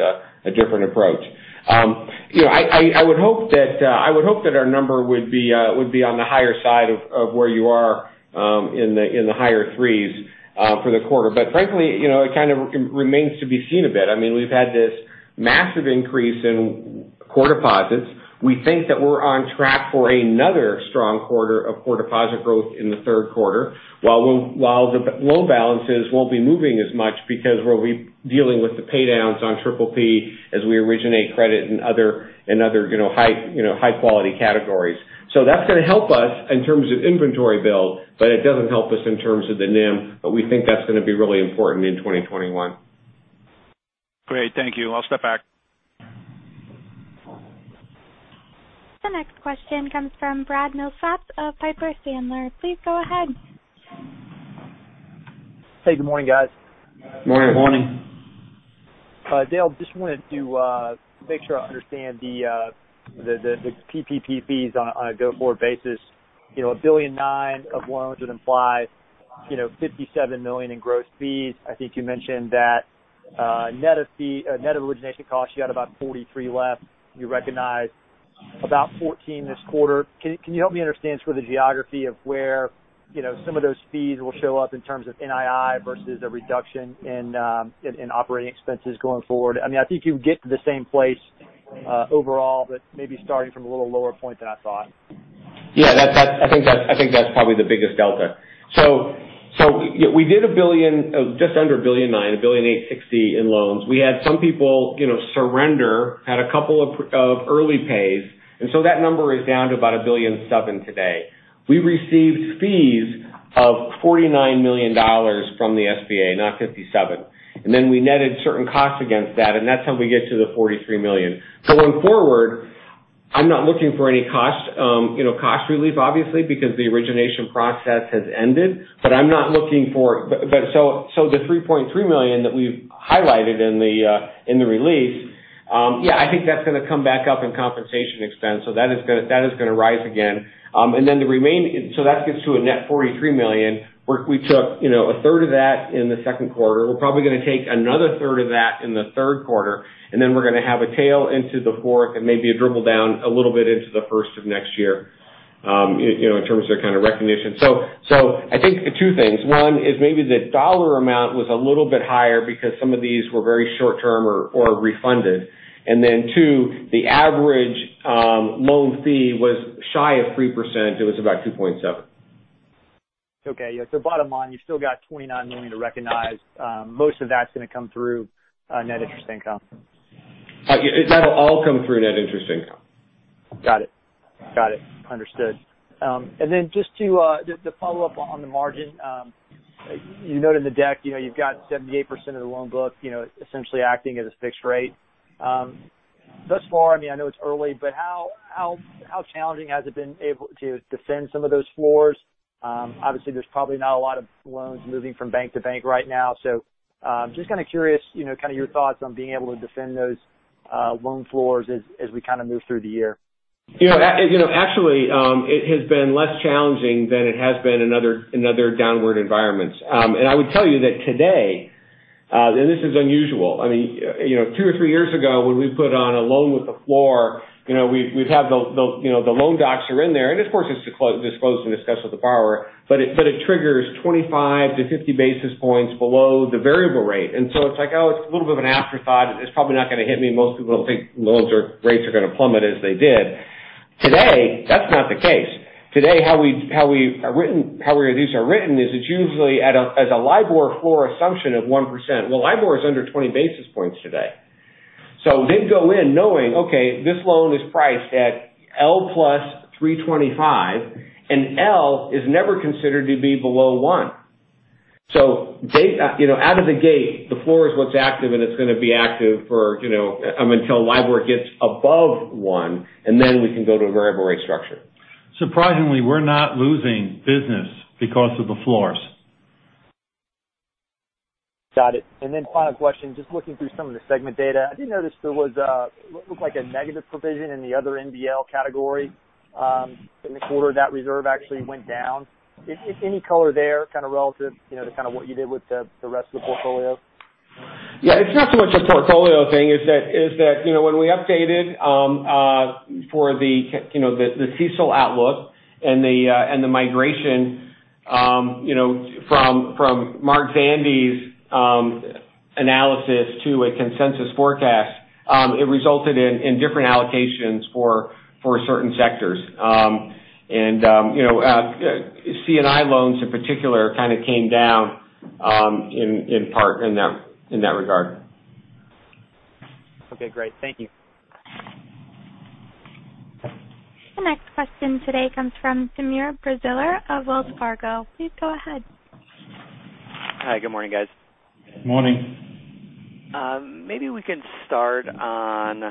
approach. I would hope that our number would be on the higher side of where you are in the higher threes for the quarter. Frankly, it kind of remains to be seen a bit. We've had this massive increase in core deposits. We think that we're on track for another strong quarter of core deposit growth in the third quarter, while the loan balances won't be moving as much because we'll be dealing with the pay downs on Triple P as we originate credit in other high quality categories. That's going to help us in terms of inventory build, but it doesn't help us in terms of the NIM. We think that's going to be really important in 2021. Great. Thank you. I'll step back. The next question comes from Brad Milsaps of Piper Sandler. Please go ahead. Hey, good morning, guys. Morning. Morning. Dale, just wanted to make sure I understand the PPP fees on a go-forward basis. 1.9 billion of loans would imply $57 million in gross fees. I think you mentioned that net of origination costs, you had about $43 left. You recognized about $14 this quarter. Can you help me understand sort of the geography of where some of those fees will show up in terms of NII versus a reduction in operating expenses going forward? I think you get to the same place overall, but maybe starting from a little lower point than I thought. I think that's probably the biggest delta. We did just under $1.9 billion, $1.86 billion in loans. We had some people surrender, had a couple of early pays, that number is down to about $1.7 billion today. We received fees of $49 million from the SBA, not $57 million. We netted certain costs against that, and that's how we get to the $43 million. Going forward, I'm not looking for any cost relief, obviously, because the origination process has ended. The $3.3 million that we've highlighted in the release, I think that's going to come back up in compensation expense. That is going to rise again. That gets to a net $43 million, where we took a third of that in the second quarter. We're probably going to take another third of that in the third quarter, and then we're going to have a tail into the fourth and maybe a dribble down a little bit into the first of next year in terms of recognition. I think two things. One is maybe the dollar amount was a little bit higher because some of these were very short-term or refunded. Two, the average loan fee was shy of 3%. It was about 2.7%. Okay. Yeah. Bottom line, you've still got $29 million to recognize. Most of that's going to come through net interest income. That'll all come through net interest income. Got it. Understood. Just to follow up on the margin. You note in the deck, you've got 78% of the loan book essentially acting as a fixed rate. Thus far, I know it's early, but how challenging has it been able to defend some of those floors? Obviously, there's probably not a lot of loans moving from bank to bank right now. Just kind of curious, your thoughts on being able to defend those loan floors as we kind of move through the year. Actually, it has been less challenging than it has been in other downward environments. I would tell you that today, and this is unusual. Two or three years ago, when we put on a loan with the floor, we'd have the loan docs are in there. Of course, it's disclosed and discussed with the borrower, but it triggers 25 to 50 basis points below the variable rate. It's like, "Oh, it's a little bit of an afterthought. It's probably not going to hit me." Most people don't think loans or rates are going to plummet as they did. Today, that's not the case. Today, how these are written is it's usually as a LIBOR floor assumption of 1%. Well, LIBOR is under 20 basis points today. They go in knowing, okay, this loan is priced at L plus 325, and L is never considered to be below 1. Out of the gate, the floor is what's active, and it's going to be active until LIBOR gets above 1, and then we can go to a variable rate structure. Surprisingly, we're not losing business because of the floors. Got it. Then final question, just looking through some of the segment data. I did notice there was what looked like a negative provision in the other NBL category. In the quarter, that reserve actually went down. Any color there, kind of relative to kind of what you did with the rest of the portfolio? Yeah. It's not so much a portfolio thing. It's that when we updated for the CECL outlook and the migration from Mark Zandi's analysis to a consensus forecast, it resulted in different allocations for certain sectors. C&I loans in particular kind of came down in part in that regard. Okay, great. Thank you. The next question today comes from Timur Braziler of Wells Fargo. Please go ahead. Hi. Good morning, guys. Morning. Maybe we can start on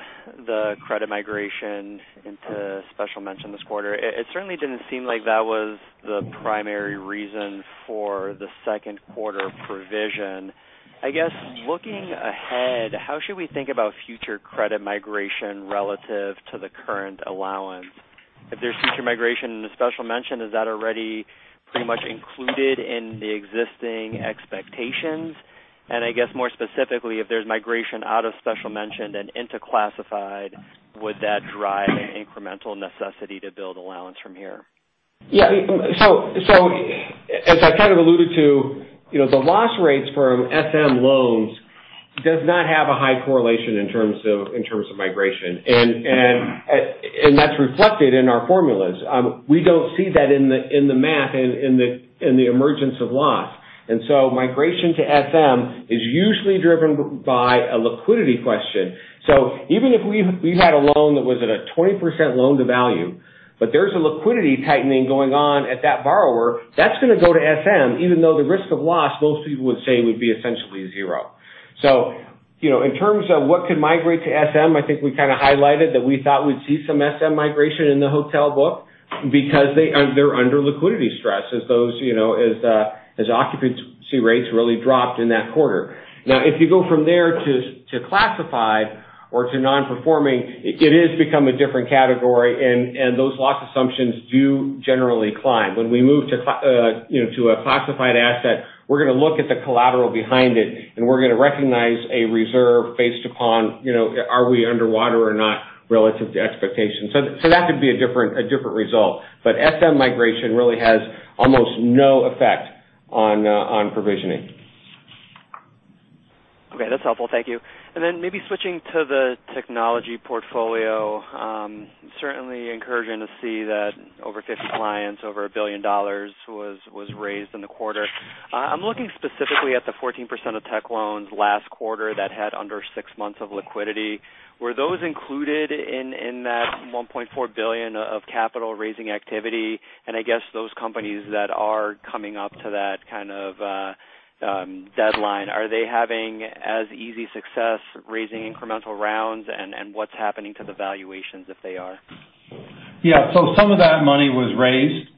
the credit migration into Special Mention this quarter. It certainly didn't seem like that was the primary reason for the second quarter provision. I guess looking ahead, how should we think about future credit migration relative to the current allowance? If there's future migration in the Special Mention, is that already pretty much included in the existing expectations? I guess more specifically, if there's migration out of Special Mention and into classified, would that drive an incremental necessity to build allowance from here? As I kind of alluded to, the loss rates from SM loans does not have a high correlation in terms of migration. That's reflected in our formulas. We don't see that in the math, in the emergence of loss. Migration to SM is usually driven by a liquidity question. Even if we had a loan that was at a 20% loan-to-value, but there's a liquidity tightening going on at that borrower, that's going to go to SM, even though the risk of loss, most people would say, would be essentially zero. In terms of what could migrate to SM, I think we kind of highlighted that we thought we'd see some SM migration in the hotel book because they're under liquidity stress as occupancy rates really dropped in that quarter. If you go from there to classified or to non-performing, it has become a different category, and those loss assumptions do generally climb. When we move to a classified asset, we're going to look at the collateral behind it, and we're going to recognize a reserve based upon are we underwater or not relative to expectations. That could be a different result. SM migration really has almost no effect on provisioning. Okay. That's helpful. Thank you. Maybe switching to the technology portfolio. Certainly encouraging to see that over 50 clients, over $1 billion was raised in the quarter. I'm looking specifically at the 14% of tech loans last quarter that had under six months of liquidity. Were those included in that $1.4 billion of capital raising activity? I guess those companies that are coming up to that kind of deadline, are they having as easy success raising incremental rounds? What's happening to the valuations if they are? Yeah. Some of that money was raised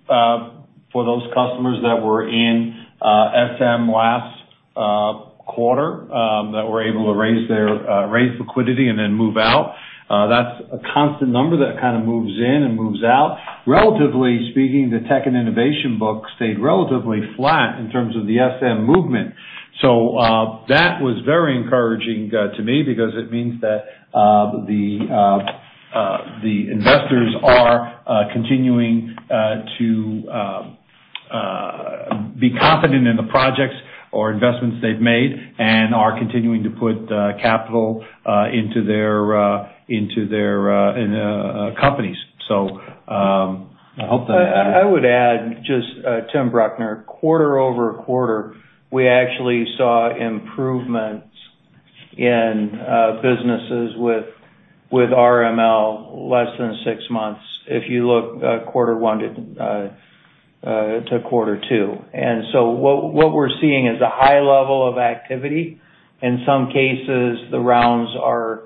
for those customers that were in SM last quarter that were able to raise liquidity and then move out. That's a constant number that kind of moves in and moves out. Relatively speaking, the tech and innovation book stayed relatively flat in terms of the SM movement. That was very encouraging to me because it means that the investors are continuing to be confident in the projects or investments they've made and are continuing to put capital into their companies. I hope that answers. I would add just, Tim Bruckner, quarter-over-quarter, we actually saw improvements. In businesses with RML less than six months. If you look quarter one to quarter two. What we're seeing is a high level of activity. In some cases, the rounds are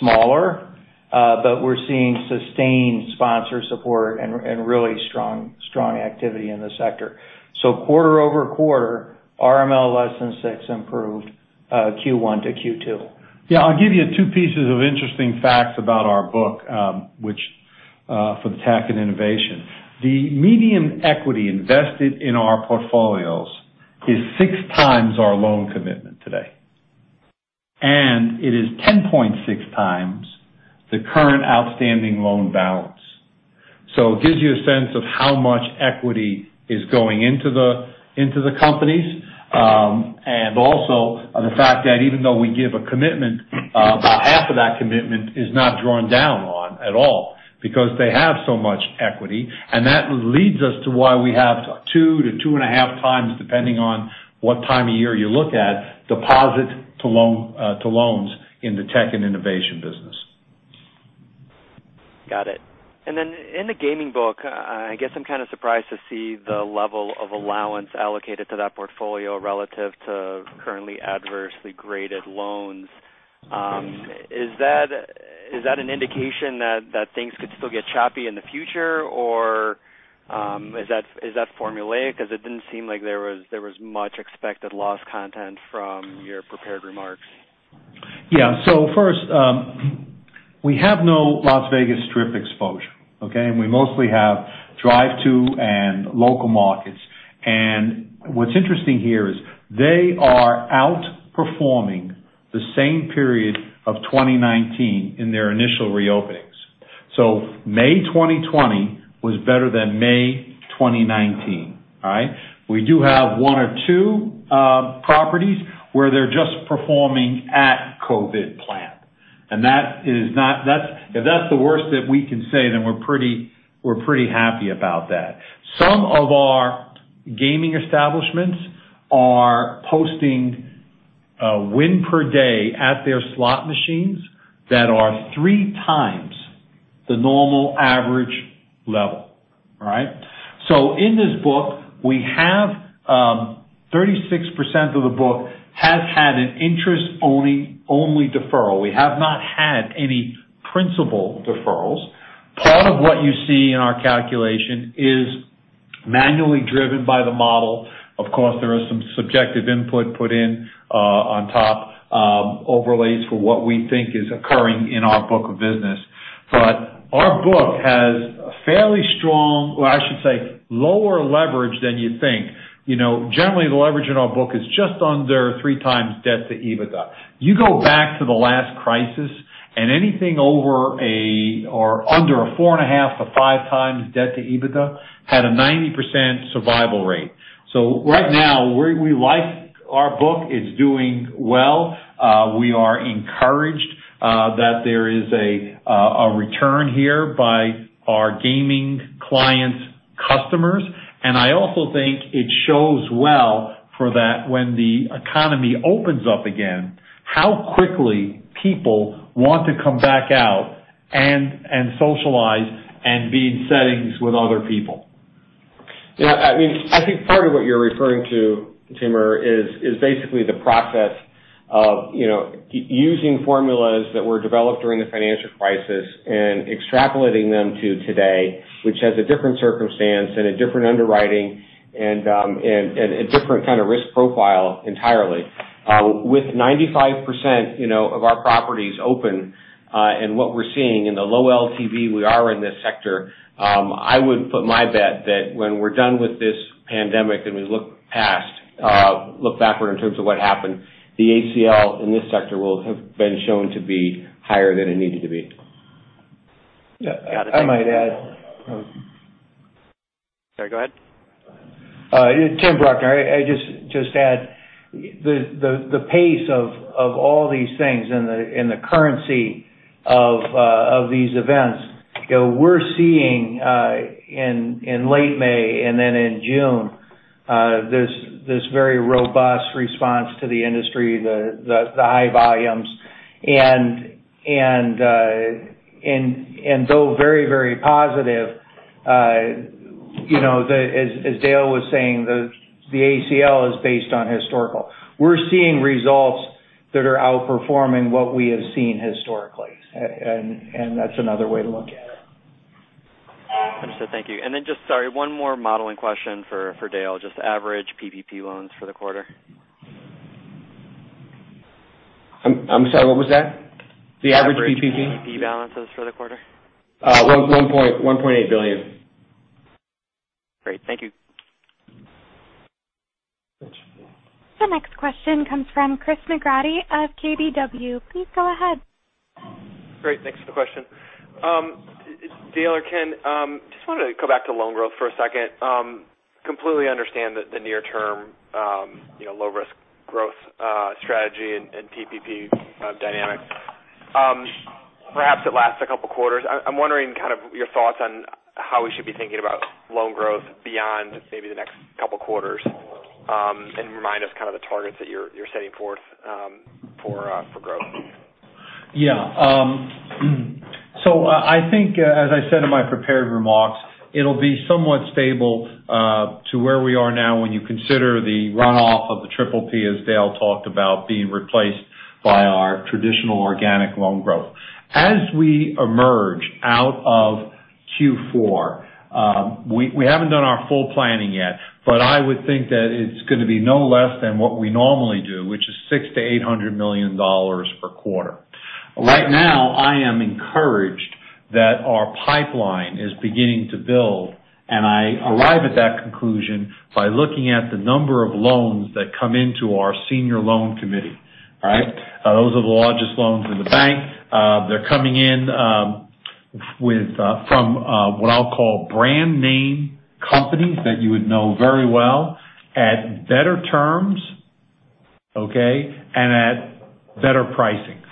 smaller, but we're seeing sustained sponsor support and really strong activity in the sector. Quarter-over-quarter RML less than six improved Q1 to Q2. Yeah. I'll give you two pieces of interesting facts about our book for the tech and innovation. The median equity invested in our portfolios is six times our loan commitment today, and it is 10.6 times the current outstanding loan balance. It gives you a sense of how much equity is going into the companies. Also the fact that even though we give a commitment, about half of that commitment is not drawn down on at all because they have so much equity. That leads us to why we have two to two and a half times, depending on what time of year you look at, deposit to loans in the tech and innovation business. Got it. In the gaming book, I guess I'm kind of surprised to see the level of allowance allocated to that portfolio relative to currently adversely graded loans. Is that an indication that things could still get choppy in the future, or is that formulaic? Because it didn't seem like there was much expected loss content from your prepared remarks. Yeah. First, we have no Las Vegas Strip exposure, okay? We mostly have drive to and local markets. What's interesting here is they are outperforming the same period of 2019 in their initial reopenings. May 2020 was better than May 2019. All right. We do have one or two properties where they're just performing at COVID plan. If that's the worst that we can say, then we're pretty happy about that. Some of our gaming establishments are posting win per day at their slot machines that are three times the normal average level. All right. In this book, we have 36% of the book has had an interest-only deferral. We have not had any principal deferrals. Part of what you see in our calculation is manually driven by the model. Of course, there is some subjective input put in on top overlays for what we think is occurring in our book of business. Our book has a fairly strong, or I should say lower leverage than you'd think. Generally, the leverage in our book is just under three times debt to EBITDA. You go back to the last crisis and anything over a, or under a four and a half to five times debt to EBITDA had a 90% survival rate. Right now we like our book. It's doing well. We are encouraged that there is a return here by our gaming clients' customers. I also think it shows well for that when the economy opens up again, how quickly people want to come back out and socialize and be in settings with other people. Yeah, I think part of what you're referring to, Timur, is basically the process of using formulas that were developed during the financial crisis and extrapolating them to today, which has a different circumstance and a different underwriting and a different kind of risk profile entirely. With 95% of our properties open and what we're seeing in the low LTV we are in this sector, I would put my bet that when we're done with this pandemic and we look backward in terms of what happened, the ACL in this sector will have been shown to be higher than it needed to be. Yeah, I might add. Sorry, go ahead. Tim Bruckner. I just add the pace of all these things and the currency of these events we're seeing in late May and then in June this very robust response to the industry, the high volumes. Though very positive as Dale was saying, the ACL is based on historical. We're seeing results that are outperforming what we have seen historically. That's another way to look at it. Understood. Thank you. just, sorry, one more modeling question for Dale. Just average PPP loans for the quarter? I'm sorry, what was that? The average PPP? Average PPP balances for the quarter. $1.8 billion. Great. Thank you. Thank you. The next question comes from Christopher McGratty of KBW. Please go ahead. Great. Thanks for the question. Dale or Ken, just wanted to go back to loan growth for a second. Completely understand the near term low risk growth strategy and PPP dynamics. Perhaps it lasts a couple quarters. I'm wondering your thoughts on how we should be thinking about loan growth beyond maybe the next couple quarters. Remind us the targets that you're setting forth for growth. Yeah. I think, as I said in my prepared remarks, it'll be somewhat stable to where we are now when you consider the runoff of the PPP, as Dale talked about, being replaced by our traditional organic loan growth. As we emerge out of Q4, we haven't done our full planning yet, but I would think that it's going to be no less than what we normally do, which is $600 million-$800 million per quarter. Right now, I am encouraged that our pipeline is beginning to build, and I arrive at that conclusion by looking at the number of loans that come into our senior loan committee. All right? Those are the largest loans in the bank. They're coming in from what I'll call brand name companies that you would know very well, at better terms, okay? And at better pricing.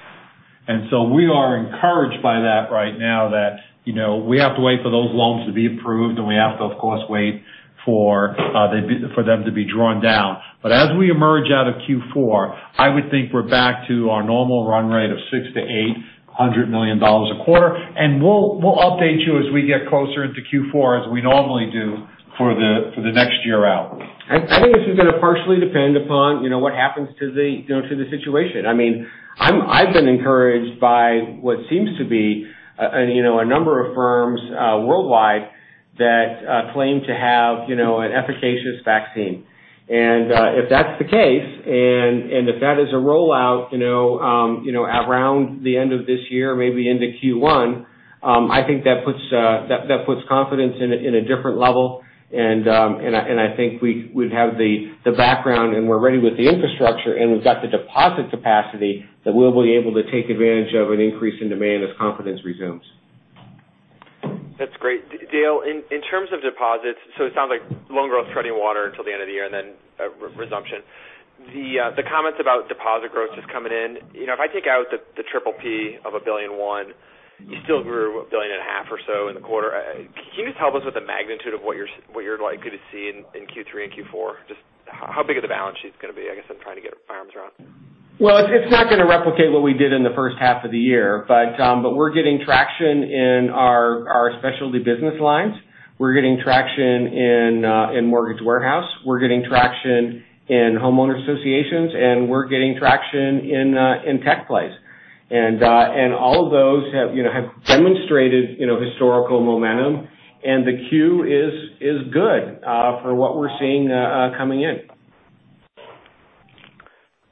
We are encouraged by that right now that we have to wait for those loans to be approved, and we have to, of course, wait for them to be drawn down. As we emerge out of Q4, I would think we're back to our normal run rate of $600 million-$800 million a quarter, and we'll update you as we get closer into Q4, as we normally do, for the next year out. I think this is going to partially depend upon what happens to the situation. I've been encouraged by what seems to be a number of firms worldwide that claim to have an efficacious vaccine. If that's the case, and if that is a rollout around the end of this year, maybe into Q1, I think that puts confidence in a different level. I think we'd have the background, and we're ready with the infrastructure, and we've got the deposit capacity that we'll be able to take advantage of an increase in demand as confidence resumes. That's great. Dale, in terms of deposits, it sounds like loan growth treading water until the end of the year and then resumption. The comments about deposit growth just coming in. If I take out the PPP of $1.1 billion, you still grew $1.5 billion or so in the quarter. Can you just help us with the magnitude of what you're likely to see in Q3 and Q4? Just how big are the balance sheets going to be? I guess I'm trying to get my arms around it. Well, it's not going to replicate what we did in the first half of the year. We're getting traction in our specialty business lines. We're getting traction in mortgage warehouse. We're getting traction in Homeowner Associations, and we're getting traction in tech plays. All of those have demonstrated historical momentum, and the queue is good for what we're seeing coming in.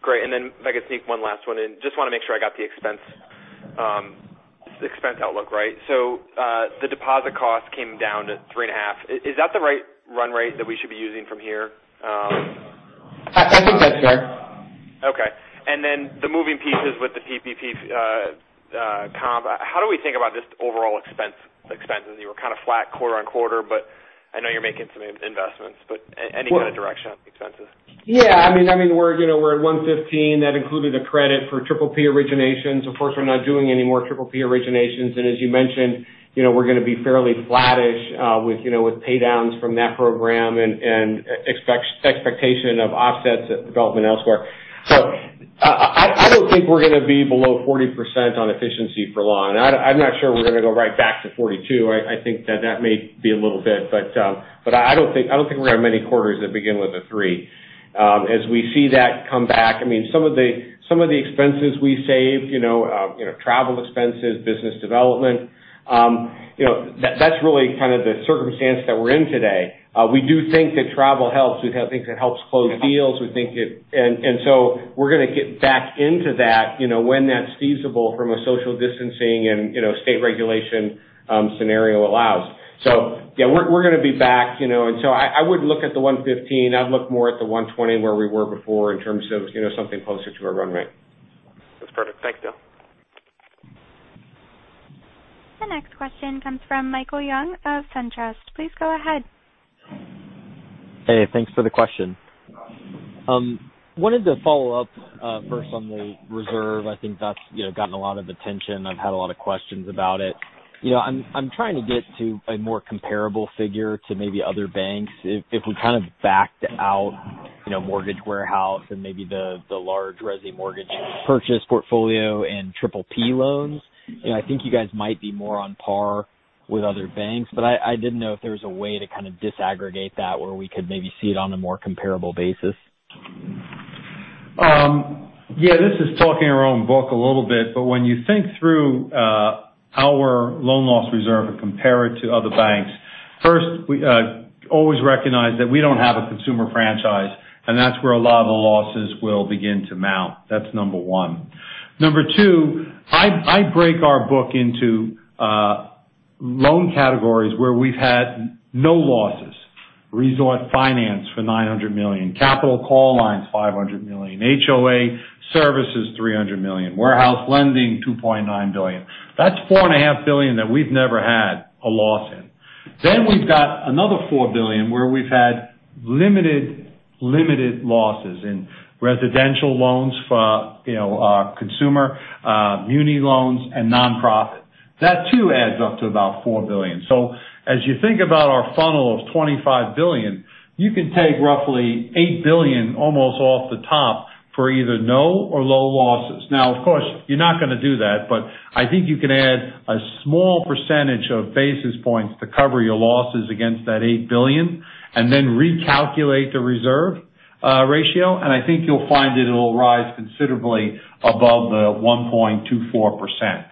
Great. If I could sneak one last one in. Just want to make sure I got the expense outlook right. The deposit cost came down to three and a half. Is that the right run rate that we should be using from here? I think that's fair. Okay. The moving pieces with the PPP comp. How do we think about just overall expenses? You were kind of flat quarter-on-quarter, I know you're making some investments. Any kind of direction on expenses? We're at 115. That included a credit for PPP originations. Of course, we're not doing any more PPP originations. As you mentioned, we're going to be fairly flattish with pay downs from that program and expectation of offsets at development elsewhere. I don't think we're going to be below 40% on efficiency for long. I'm not sure we're going to go right back to 42%. I think that that may be a little bit. I don't think we're going to have many quarters that begin with a three. As we see that come back, some of the expenses we saved, travel expenses, business development, that's really kind of the circumstance that we're in today. We do think that travel helps. We think it helps close deals. We're going to get back into that when that's feasible from a social distancing and state regulation scenario allows. Yeah, we're going to be back. I wouldn't look at the 115. I'd look more at the 120, where we were before, in terms of something closer to a run rate. That's perfect. Thanks, Dale. The next question comes from Michael Young of SunTrust. Please go ahead. Hey, thanks for the question. Wanted to follow up first on the reserve. I think that's gotten a lot of attention. I've had a lot of questions about it. I'm trying to get to a more comparable figure to maybe other banks. If we kind of backed out mortgage warehouse and maybe the large resi mortgage purchase portfolio and PPP loans. I think you guys might be more on par with other banks. I didn't know if there was a way to kind of disaggregate that where we could maybe see it on a more comparable basis. Yeah, this is talking our own book a little bit, but when you think through our loan loss reserve and compare it to other banks, first, always recognize that we don't have a consumer franchise, and that's where a lot of the losses will begin to mount. That's number one. Number two, I break our book into loan categories where we've had no losses. Resort finance for $900 million, capital call lines, $500 million, HOA services, $300 million, warehouse lending, $2.9 billion. That's $4.5 billion that we've never had a loss in. We've got another $4 billion where we've had limited losses in residential loans for our consumer muni loans and nonprofit. That too adds up to about $4 billion. As you think about our funnel of $25 billion, you can take roughly $8 billion almost off the top for either no or low losses. Of course, you're not going to do that, but I think you can add a small percentage of basis points to cover your losses against that $8 billion and then recalculate the reserve ratio, and I think you'll find that it'll rise considerably above the 1.24%.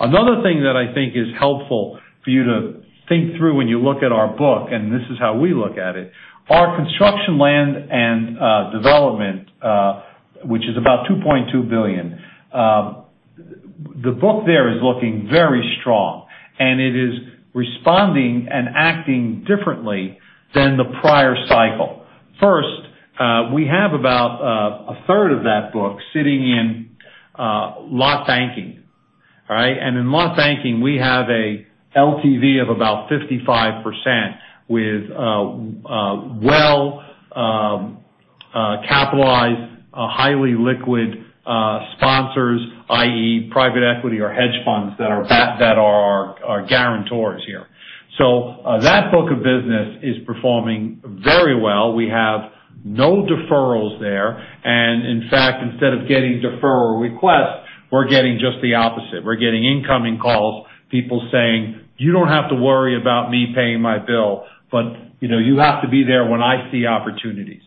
Another thing that I think is helpful for you to think through when you look at our book, and this is how we look at it, our construction land and development, which is about $2.2 billion. The book there is looking very strong, and it is responding and acting differently than the prior cycle. First, we have about a third of that book sitting in lot banking. All right? In lot banking, we have a LTV of about 55% with well-capitalized, highly liquid sponsors, i.e. private equity or hedge funds that are our guarantors here. That book of business is performing very well. We have no deferrals there. In fact, instead of getting deferral requests, we're getting just the opposite. We're getting incoming calls, people saying, "You don't have to worry about me paying my bill. But you have to be there when I see opportunities."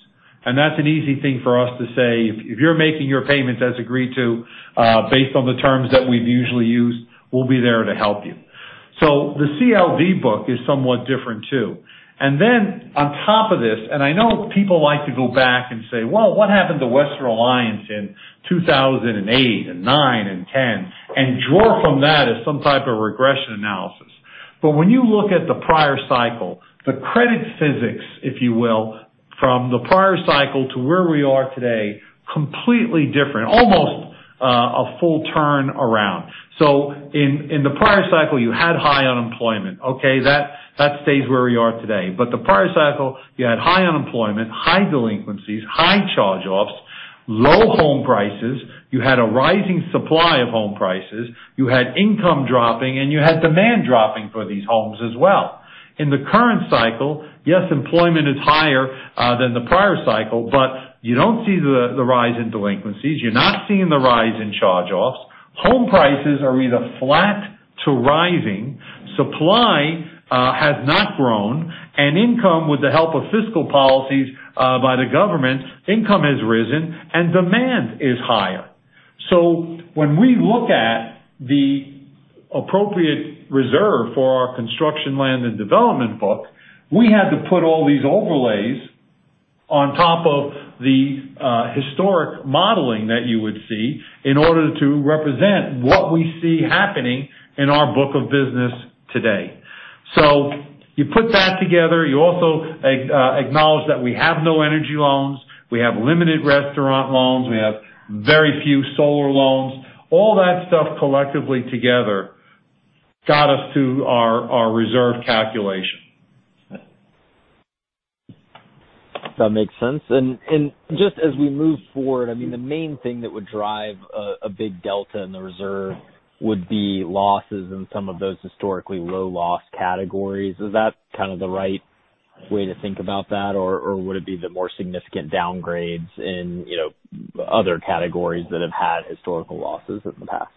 That's an easy thing for us to say. If you're making your payments as agreed to, based on the terms that we've usually used, we'll be there to help you. The CLD book is somewhat different, too. On top of this, I know people like to go back and say, "Well, what happened to Western Alliance in 2008 and 2009 and 2010?" Draw from that as some type of regression analysis. When you look at the prior cycle, the credit physics, if you will, from the prior cycle to where we are today, completely different. Almost a full turn around. In the prior cycle, you had high unemployment. Okay. That stays where we are today. The prior cycle, you had high unemployment, high delinquencies, high charge-offs, low home prices. You had a rising supply of home prices. You had income dropping, and you had demand dropping for these homes as well. In the current cycle, yes, employment is higher than the prior cycle, but you don't see the rise in delinquencies. You're not seeing the rise in charge-offs. Home prices are either flat to rising. Supply has not grown. Income, with the help of fiscal policies by the government, income has risen and demand is higher. When we look at the appropriate reserve for our construction land and development book, we had to put all these overlays on top of the historic modeling that you would see in order to represent what we see happening in our book of business today. You put that together. You also acknowledge that we have no energy loans. We have limited restaurant loans. We have very few solar loans. All that stuff collectively together got us to our reserve calculation. That makes sense. Just as we move forward, the main thing that would drive a big delta in the reserve would be losses in some of those historically low loss categories. Is that kind of the right way to think about that? Or would it be the more significant downgrades in other categories that have had historical losses in the past?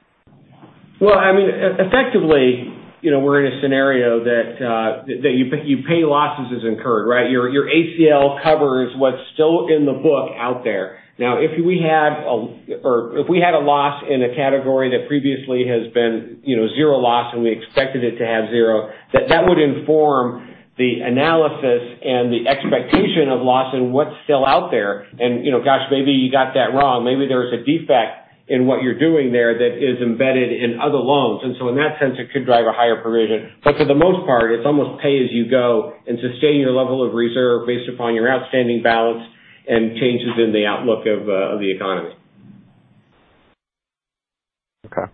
Well, effectively, we're in a scenario that you pay losses as incurred, right? Your ACL covers what's still in the book out there. If we had a loss in a category that previously has been zero loss and we expected it to have zero, that would inform the analysis and the expectation of loss in what's still out there. Gosh, maybe you got that wrong. Maybe there's a defect in what you're doing there that is embedded in other loans. In that sense, it could drive a higher provision. For the most part, it's almost pay as you go and sustain your level of reserve based upon your outstanding balance and changes in the outlook of the economy. Okay.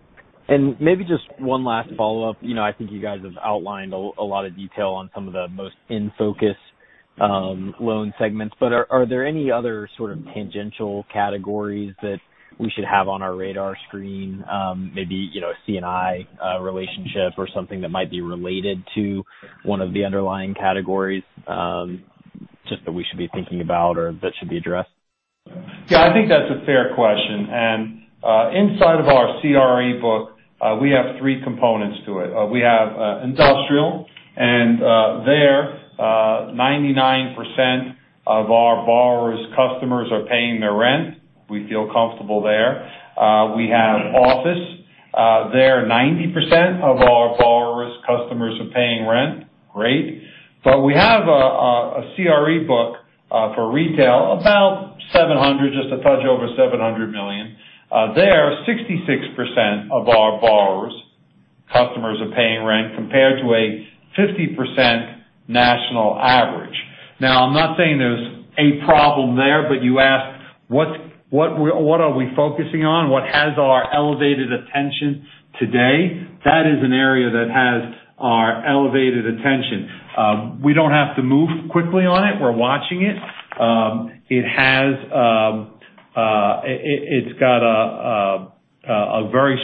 Maybe just one last follow-up. I think you guys have outlined a lot of detail on some of the most in-focus loan segments. Are there any other sort of tangential categories that we should have on our radar screen? Maybe a C&I relationship or something that might be related to one of the underlying categories just that we should be thinking about or that should be addressed? Yeah, I think that's a fair question. Inside of our CRE book, we have three components to it. We have industrial, there 99% of our borrowers' customers are paying their rent. We feel comfortable there. We have office. There, 90% of our borrowers' customers are paying rent. Great. We have a CRE book for retail, about $700, just a touch over $700 million. There, 66% of our borrowers' customers are paying rent compared to a 50% national average. I'm not saying there's a problem there, but you asked what are we focusing on? What has our elevated attention today? That is an area that has our elevated attention. We don't have to move quickly on it. We're watching it. It had a very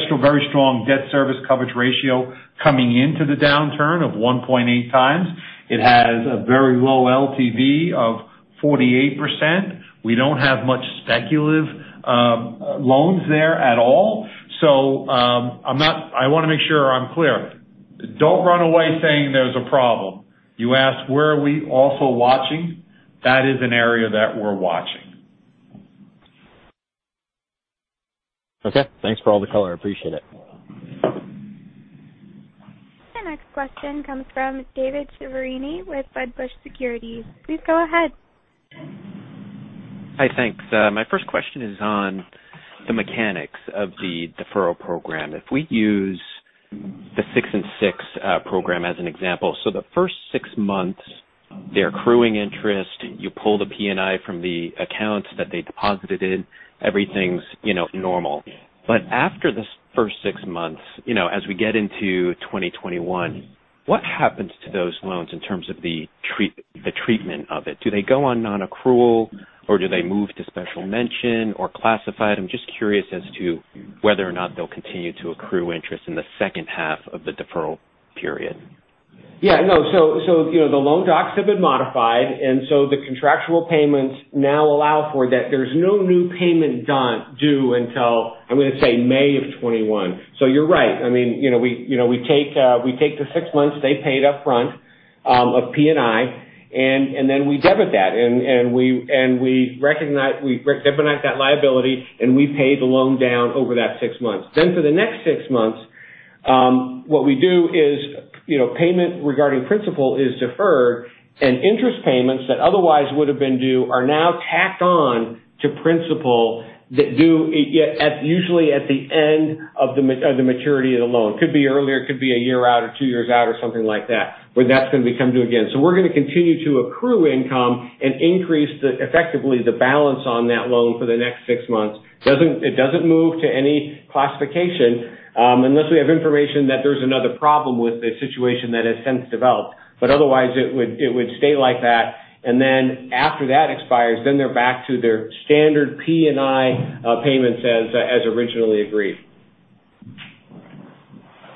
strong debt service coverage ratio coming into the downturn of 1.8 times. It has a very low LTV of 48%. We don't have much speculative loans there at all. I want to make sure I'm clear. Don't run away saying there's a problem. You asked, where are we also watching? That is an area that we're watching. Okay. Thanks for all the color. I appreciate it. The next question comes from David Chiaverini with Wedbush Securities. Please go ahead. Hi. Thanks. My first question is on the mechanics of the deferral program. If we use the six and six program as an example, the first six months, they're accruing interest. You pull the P&I from the accounts that they deposited in. Everything's normal. After this first six months, as we get into 2021, what happens to those loans in terms of the treatment of it? Do they go on non-accrual or do they move to special mention or classified? I'm just curious as to whether or not they'll continue to accrue interest in the second half of the deferral period. Yeah, no. The loan docs have been modified, and so the contractual payments now allow for that. There's no new payment due until, I'm going to say May of 2021. You're right. We take the six months they paid upfront of P&I, and then we debit that, and we recognize that liability, and we pay the loan down over that six months. For the next six months, what we do is payment regarding principal is deferred and interest payments that otherwise would have been due are now tacked on to principal that due usually at the end of the maturity of the loan. Could be earlier, could be a year out or two years out or something like that where that's going to become due again. We're going to continue to accrue income and increase effectively the balance on that loan for the next six months. It doesn't move to any classification unless we have information that there's another problem with the situation that has since developed. Otherwise, it would stay like that. Then after that expires, then they're back to their standard P&I payments as originally agreed.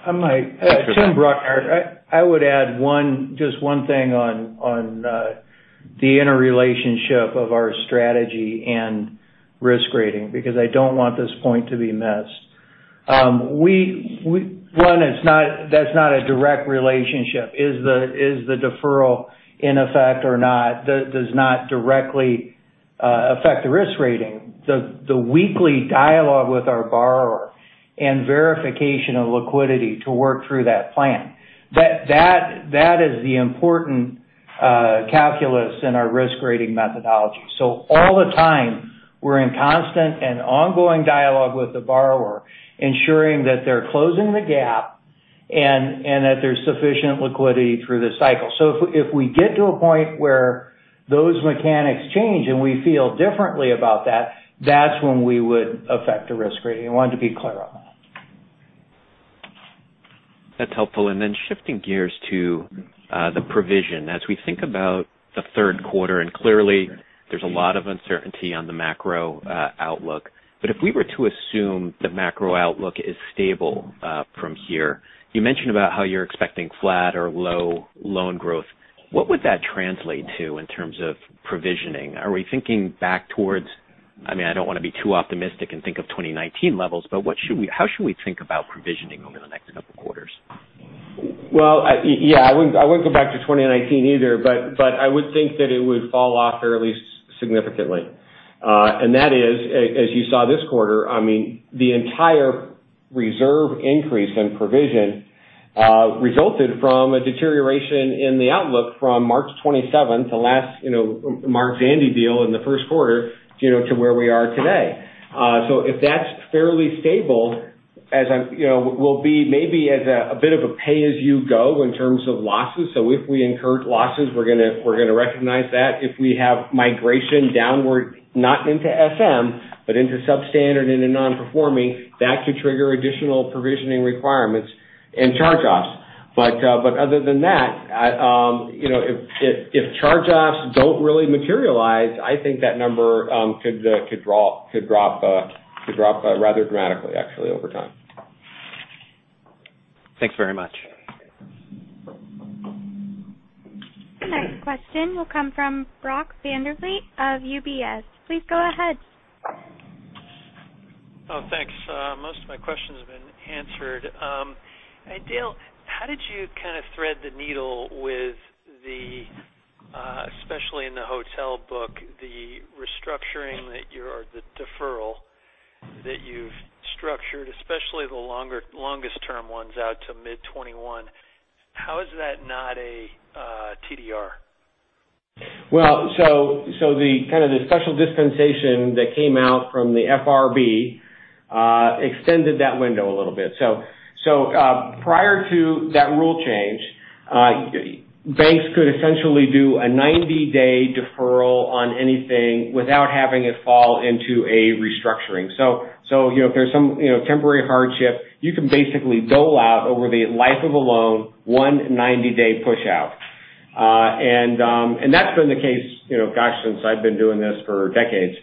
Tim Bruckner. I would add just one thing on the interrelationship of our strategy and risk rating because I don't want this point to be missed. One, that's not a direct relationship. Is the deferral in effect or not does not directly affect the risk rating. The weekly dialogue with our borrower and verification of liquidity to work through that plan. That is the important calculus in our risk rating methodology. All the time, we're in constant and ongoing dialogue with the borrower, ensuring that they're closing the gap and that there's sufficient liquidity through the cycle. If we get to a point where those mechanics change and we feel differently about that's when we would affect the risk rating. I wanted to be clear on that. That's helpful. Then shifting gears to the provision. As we think about the third quarter, and clearly there's a lot of uncertainty on the macro outlook. If we were to assume the macro outlook is stable from here, you mentioned about how you're expecting flat or low loan growth. What would that translate to in terms of provisioning? Are we thinking back towards I don't want to be too optimistic and think of 2019 levels, but how should we think about provisioning over the next couple quarters? Well, yeah, I wouldn't go back to 2019 either, but I would think that it would fall off fairly significantly. That is, as you saw this quarter, the entire reserve increase in provision resulted from a deterioration in the outlook from March 27th, the last Mark Zandi deal in the first quarter to where we are today. If that's fairly stable, we'll be maybe as a bit of a pay-as-you-go in terms of losses. If we incur losses, we're going to recognize that. If we have migration downward, not into SM, but into substandard and into non-performing, that could trigger additional provisioning requirements and charge-offs. Other than that, if charge-offs don't really materialize, I think that number could drop rather dramatically, actually, over time. Thanks very much. The next question will come from Brock Vandervliet of UBS. Please go ahead. Oh, thanks. Most of my questions have been answered. Dale, how did you kind of thread the needle with the, especially in the hotel book, the restructuring or the deferral that you've structured, especially the longest term ones out to mid 2021. How is that not a TDR? The kind of the special dispensation that came out from the FRB extended that window a little bit. Prior to that rule change, banks could essentially do a 90-day deferral on anything without having it fall into a restructuring. If there's some temporary hardship, you can basically dole out over the life of a loan, one 90-day push-out. That's been the case, gosh, since I've been doing this for decades.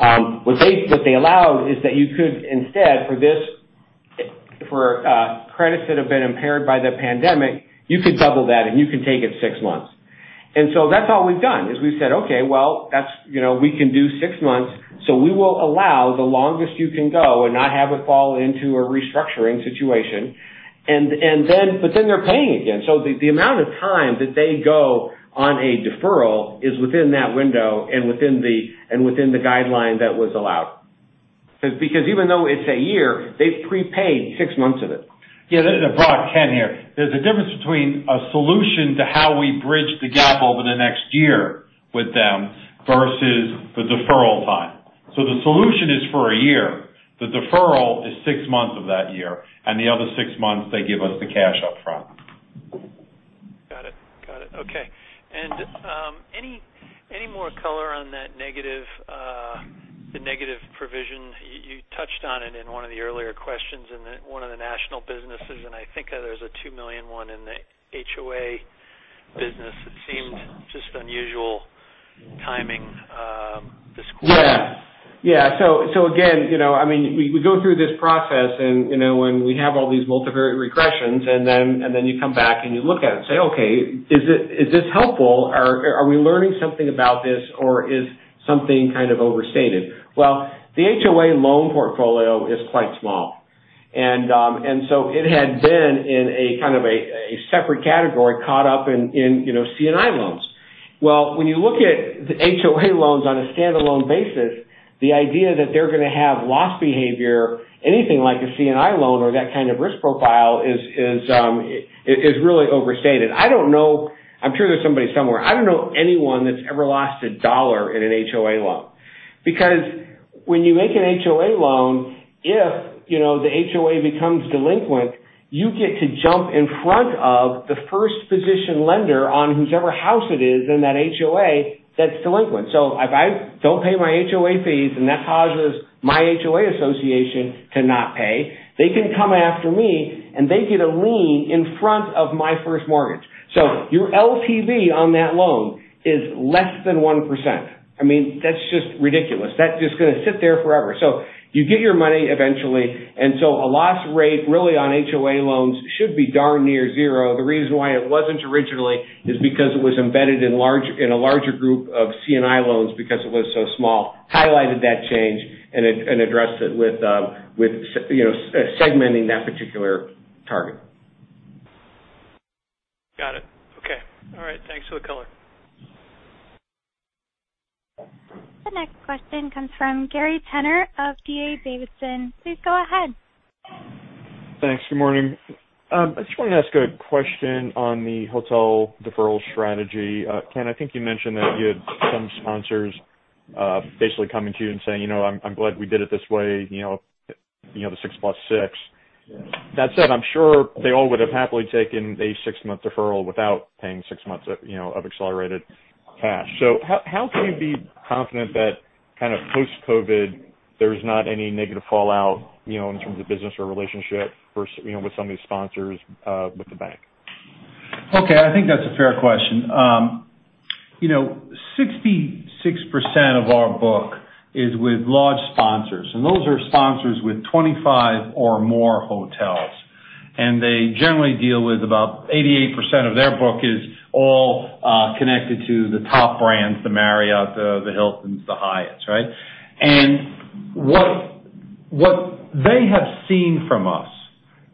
What they allowed is that you could, instead, for credits that have been impaired by the pandemic, you could double that, and you can take it six months. That's all we've done, is we've said, "Okay, well, we can do six months, we will allow the longest you can go and not have it fall into a restructuring situation." They're paying again. The amount of time that they go on a deferral is within that window and within the guideline that was allowed. Even though it's a year, they've prepaid six months of it. Yeah. Brock, Ken here. There's a difference between a solution to how we bridge the gap over the next year with them versus the deferral time. The solution is for a year. The deferral is six months of that year, and the other six months, they give us the cash up front. Got it. Okay. Any more color on that negative provision? You touched on it in one of the earlier questions in one of the national businesses, and I think there's a $2 million one in the HOA business. It seemed just unusual timing this quarter. Yeah. Again, we go through this process, and when we have all these multivariate regressions, and then you come back and you look at it and say, "Okay, is this helpful? Are we learning something about this, or is something kind of overstated?" Well, the HOA loan portfolio is quite small. It had been in a kind of a separate category caught up in C&I loans. Well, when you look at the HOA loans on a standalone basis, the idea that they're going to have loss behavior, anything like a C&I loan or that kind of risk profile is really overstated. I'm sure there's somebody somewhere. I don't know anyone that's ever lost $1 in an HOA loan. When you make an HOA loan, if the HOA becomes delinquent, you get to jump in front of the first position lender on whosever house it is in that HOA that's delinquent. If I don't pay my HOA fees and that causes my HOA association to not pay, they can come after me, and they get a lien in front of my first mortgage. Your LTV on that loan is less than 1%. That's just ridiculous. That's just going to sit there forever. You get your money eventually. A loss rate really on HOA loans should be darn near zero. The reason why it wasn't originally is because it was embedded in a larger group of C&I loans because it was so small, highlighted that change, and addressed it with segmenting that particular target. Got it. Okay. All right. Thanks for the color. The next question comes from Gary Tenner of D.A. Davidson. Please go ahead. Thanks. Good morning. I just want to ask a question on the hotel deferral strategy. Ken, I think you mentioned that you had some sponsors basically coming to you and saying, "I'm glad we did it this way," the six plus six. That said, I'm sure they all would have happily taken a six-month deferral without paying six months of accelerated cash. How can you be confident that kind of post-COVID, there's not any negative fallout in terms of business or relationship with some of these sponsors with the bank? Okay. I think that's a fair question. 66% of our book is with large sponsors, and those are sponsors with 25 or more hotels. They generally deal with about 88% of their book is all connected to the top brands, the Marriott, the Hilton, the Hyatt, right? What they have seen from us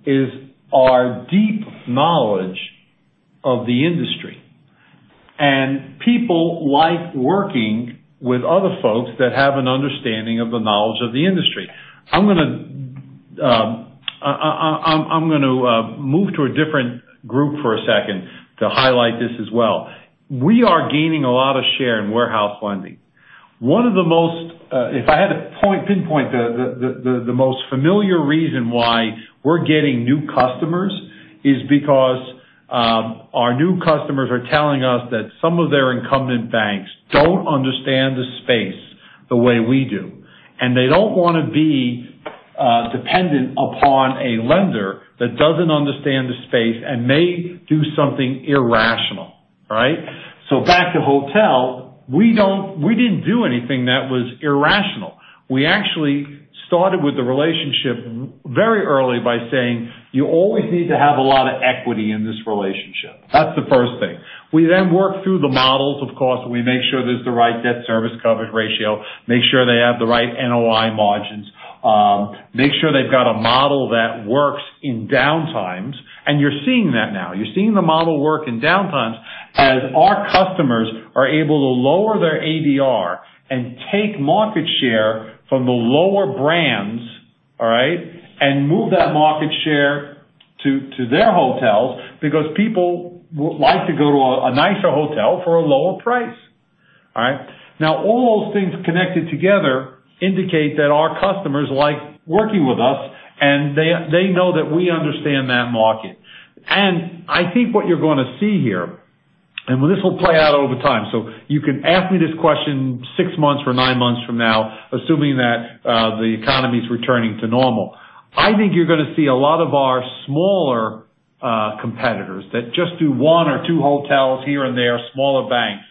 is our deep knowledge of the industry. People like working with other folks that have an understanding of the knowledge of the industry. I'm going to move to a different group for a second to highlight this as well. We are gaining a lot of share in warehouse funding. If I had to pinpoint the most familiar reason why we're getting new customers is because our new customers are telling us that some of their incumbent banks don't understand the space the way we do, and they don't want to be dependent upon a lender that doesn't understand the space and may do something irrational, right? Back to hotel, we didn't do anything that was irrational. We actually started with the relationship very early by saying, "You always need to have a lot of equity in this relationship." That's the first thing. We then work through the models, of course. We make sure there's the right debt service coverage ratio, make sure they have the right NOI margins, make sure they've got a model that works in downtimes. You're seeing that now. You're seeing the model work in downtimes as our customers are able to lower their ADR and take market share from the lower brands, move that market share to their hotels because people like to go to a nicer hotel for a lower price. All right. Now, all those things connected together indicate that our customers like working with us, and they know that we understand that market. I think what you're going to see here, and this will play out over time. You can ask me this question six months or nine months from now, assuming that the economy's returning to normal. I think you're going to see a lot of our smaller competitors that just do one or two hotels here and there, smaller banks.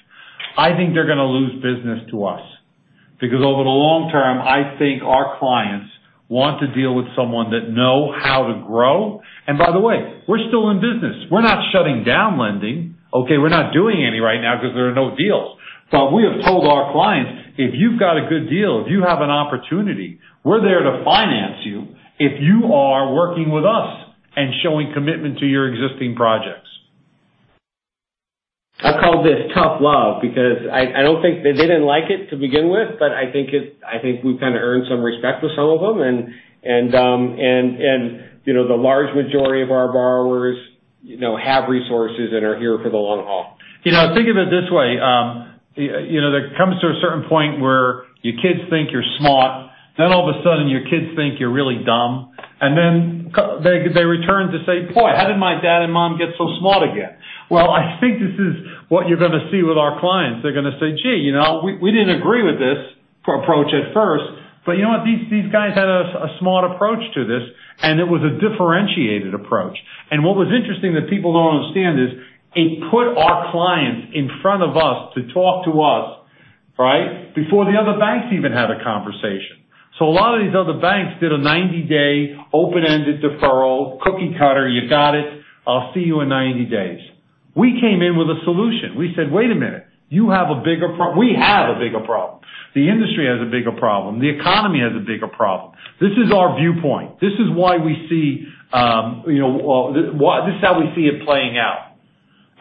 I think they're going to lose business to us. Over the long term, I think our clients want to deal with someone that know how to grow. By the way, we're still in business. We're not shutting down lending. Okay? We're not doing any right now because there are no deals. We have told our clients, if you've got a good deal, if you have an opportunity, we're there to finance you if you are working with us and showing commitment to your existing projects. I call this tough love because I don't think they didn't like it to begin with, but I think we've earned some respect with some of them. The large majority of our borrowers have resources and are here for the long haul. Think of it this way. There comes to a certain point where your kids think you're smart, then all of a sudden your kids think you're really dumb. Then they return to say, "Boy, how did my dad and mom get so smart again?" Well, I think this is what you're going to see with our clients. They're going to say, "Gee, we didn't agree with this approach at first, but you know what? These guys had a smart approach to this," and it was a differentiated approach. What was interesting that people don't understand is it put our clients in front of us to talk to us, right? Before the other banks even had a conversation. A lot of these other banks did a 90-day open-ended deferral, cookie cutter, you got it. I'll see you in 90 days. We came in with a solution. We said, "Wait a minute, you have a bigger problem. We have a bigger problem. The industry has a bigger problem. The economy has a bigger problem. This is our viewpoint. This is how we see it playing out.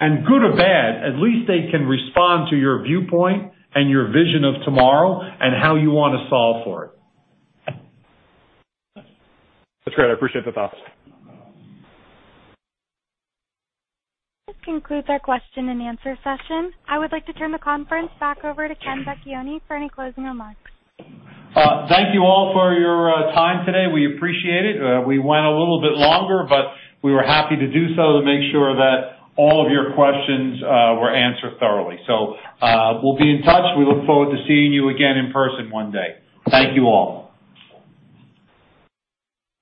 Good or bad, at least they can respond to your viewpoint and your vision of tomorrow and how you want to solve for it. That's great. I appreciate the thoughts. This concludes our question and answer session. I would like to turn the conference back over to Ken Vecchione for any closing remarks. Thank you all for your time today. We appreciate it. We went a little bit longer, but we were happy to do so to make sure that all of your questions were answered thoroughly. We'll be in touch. We look forward to seeing you again in person one day. Thank you all.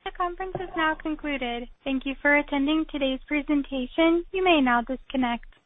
The conference is now concluded. Thank you for attending today's presentation. You may now disconnect.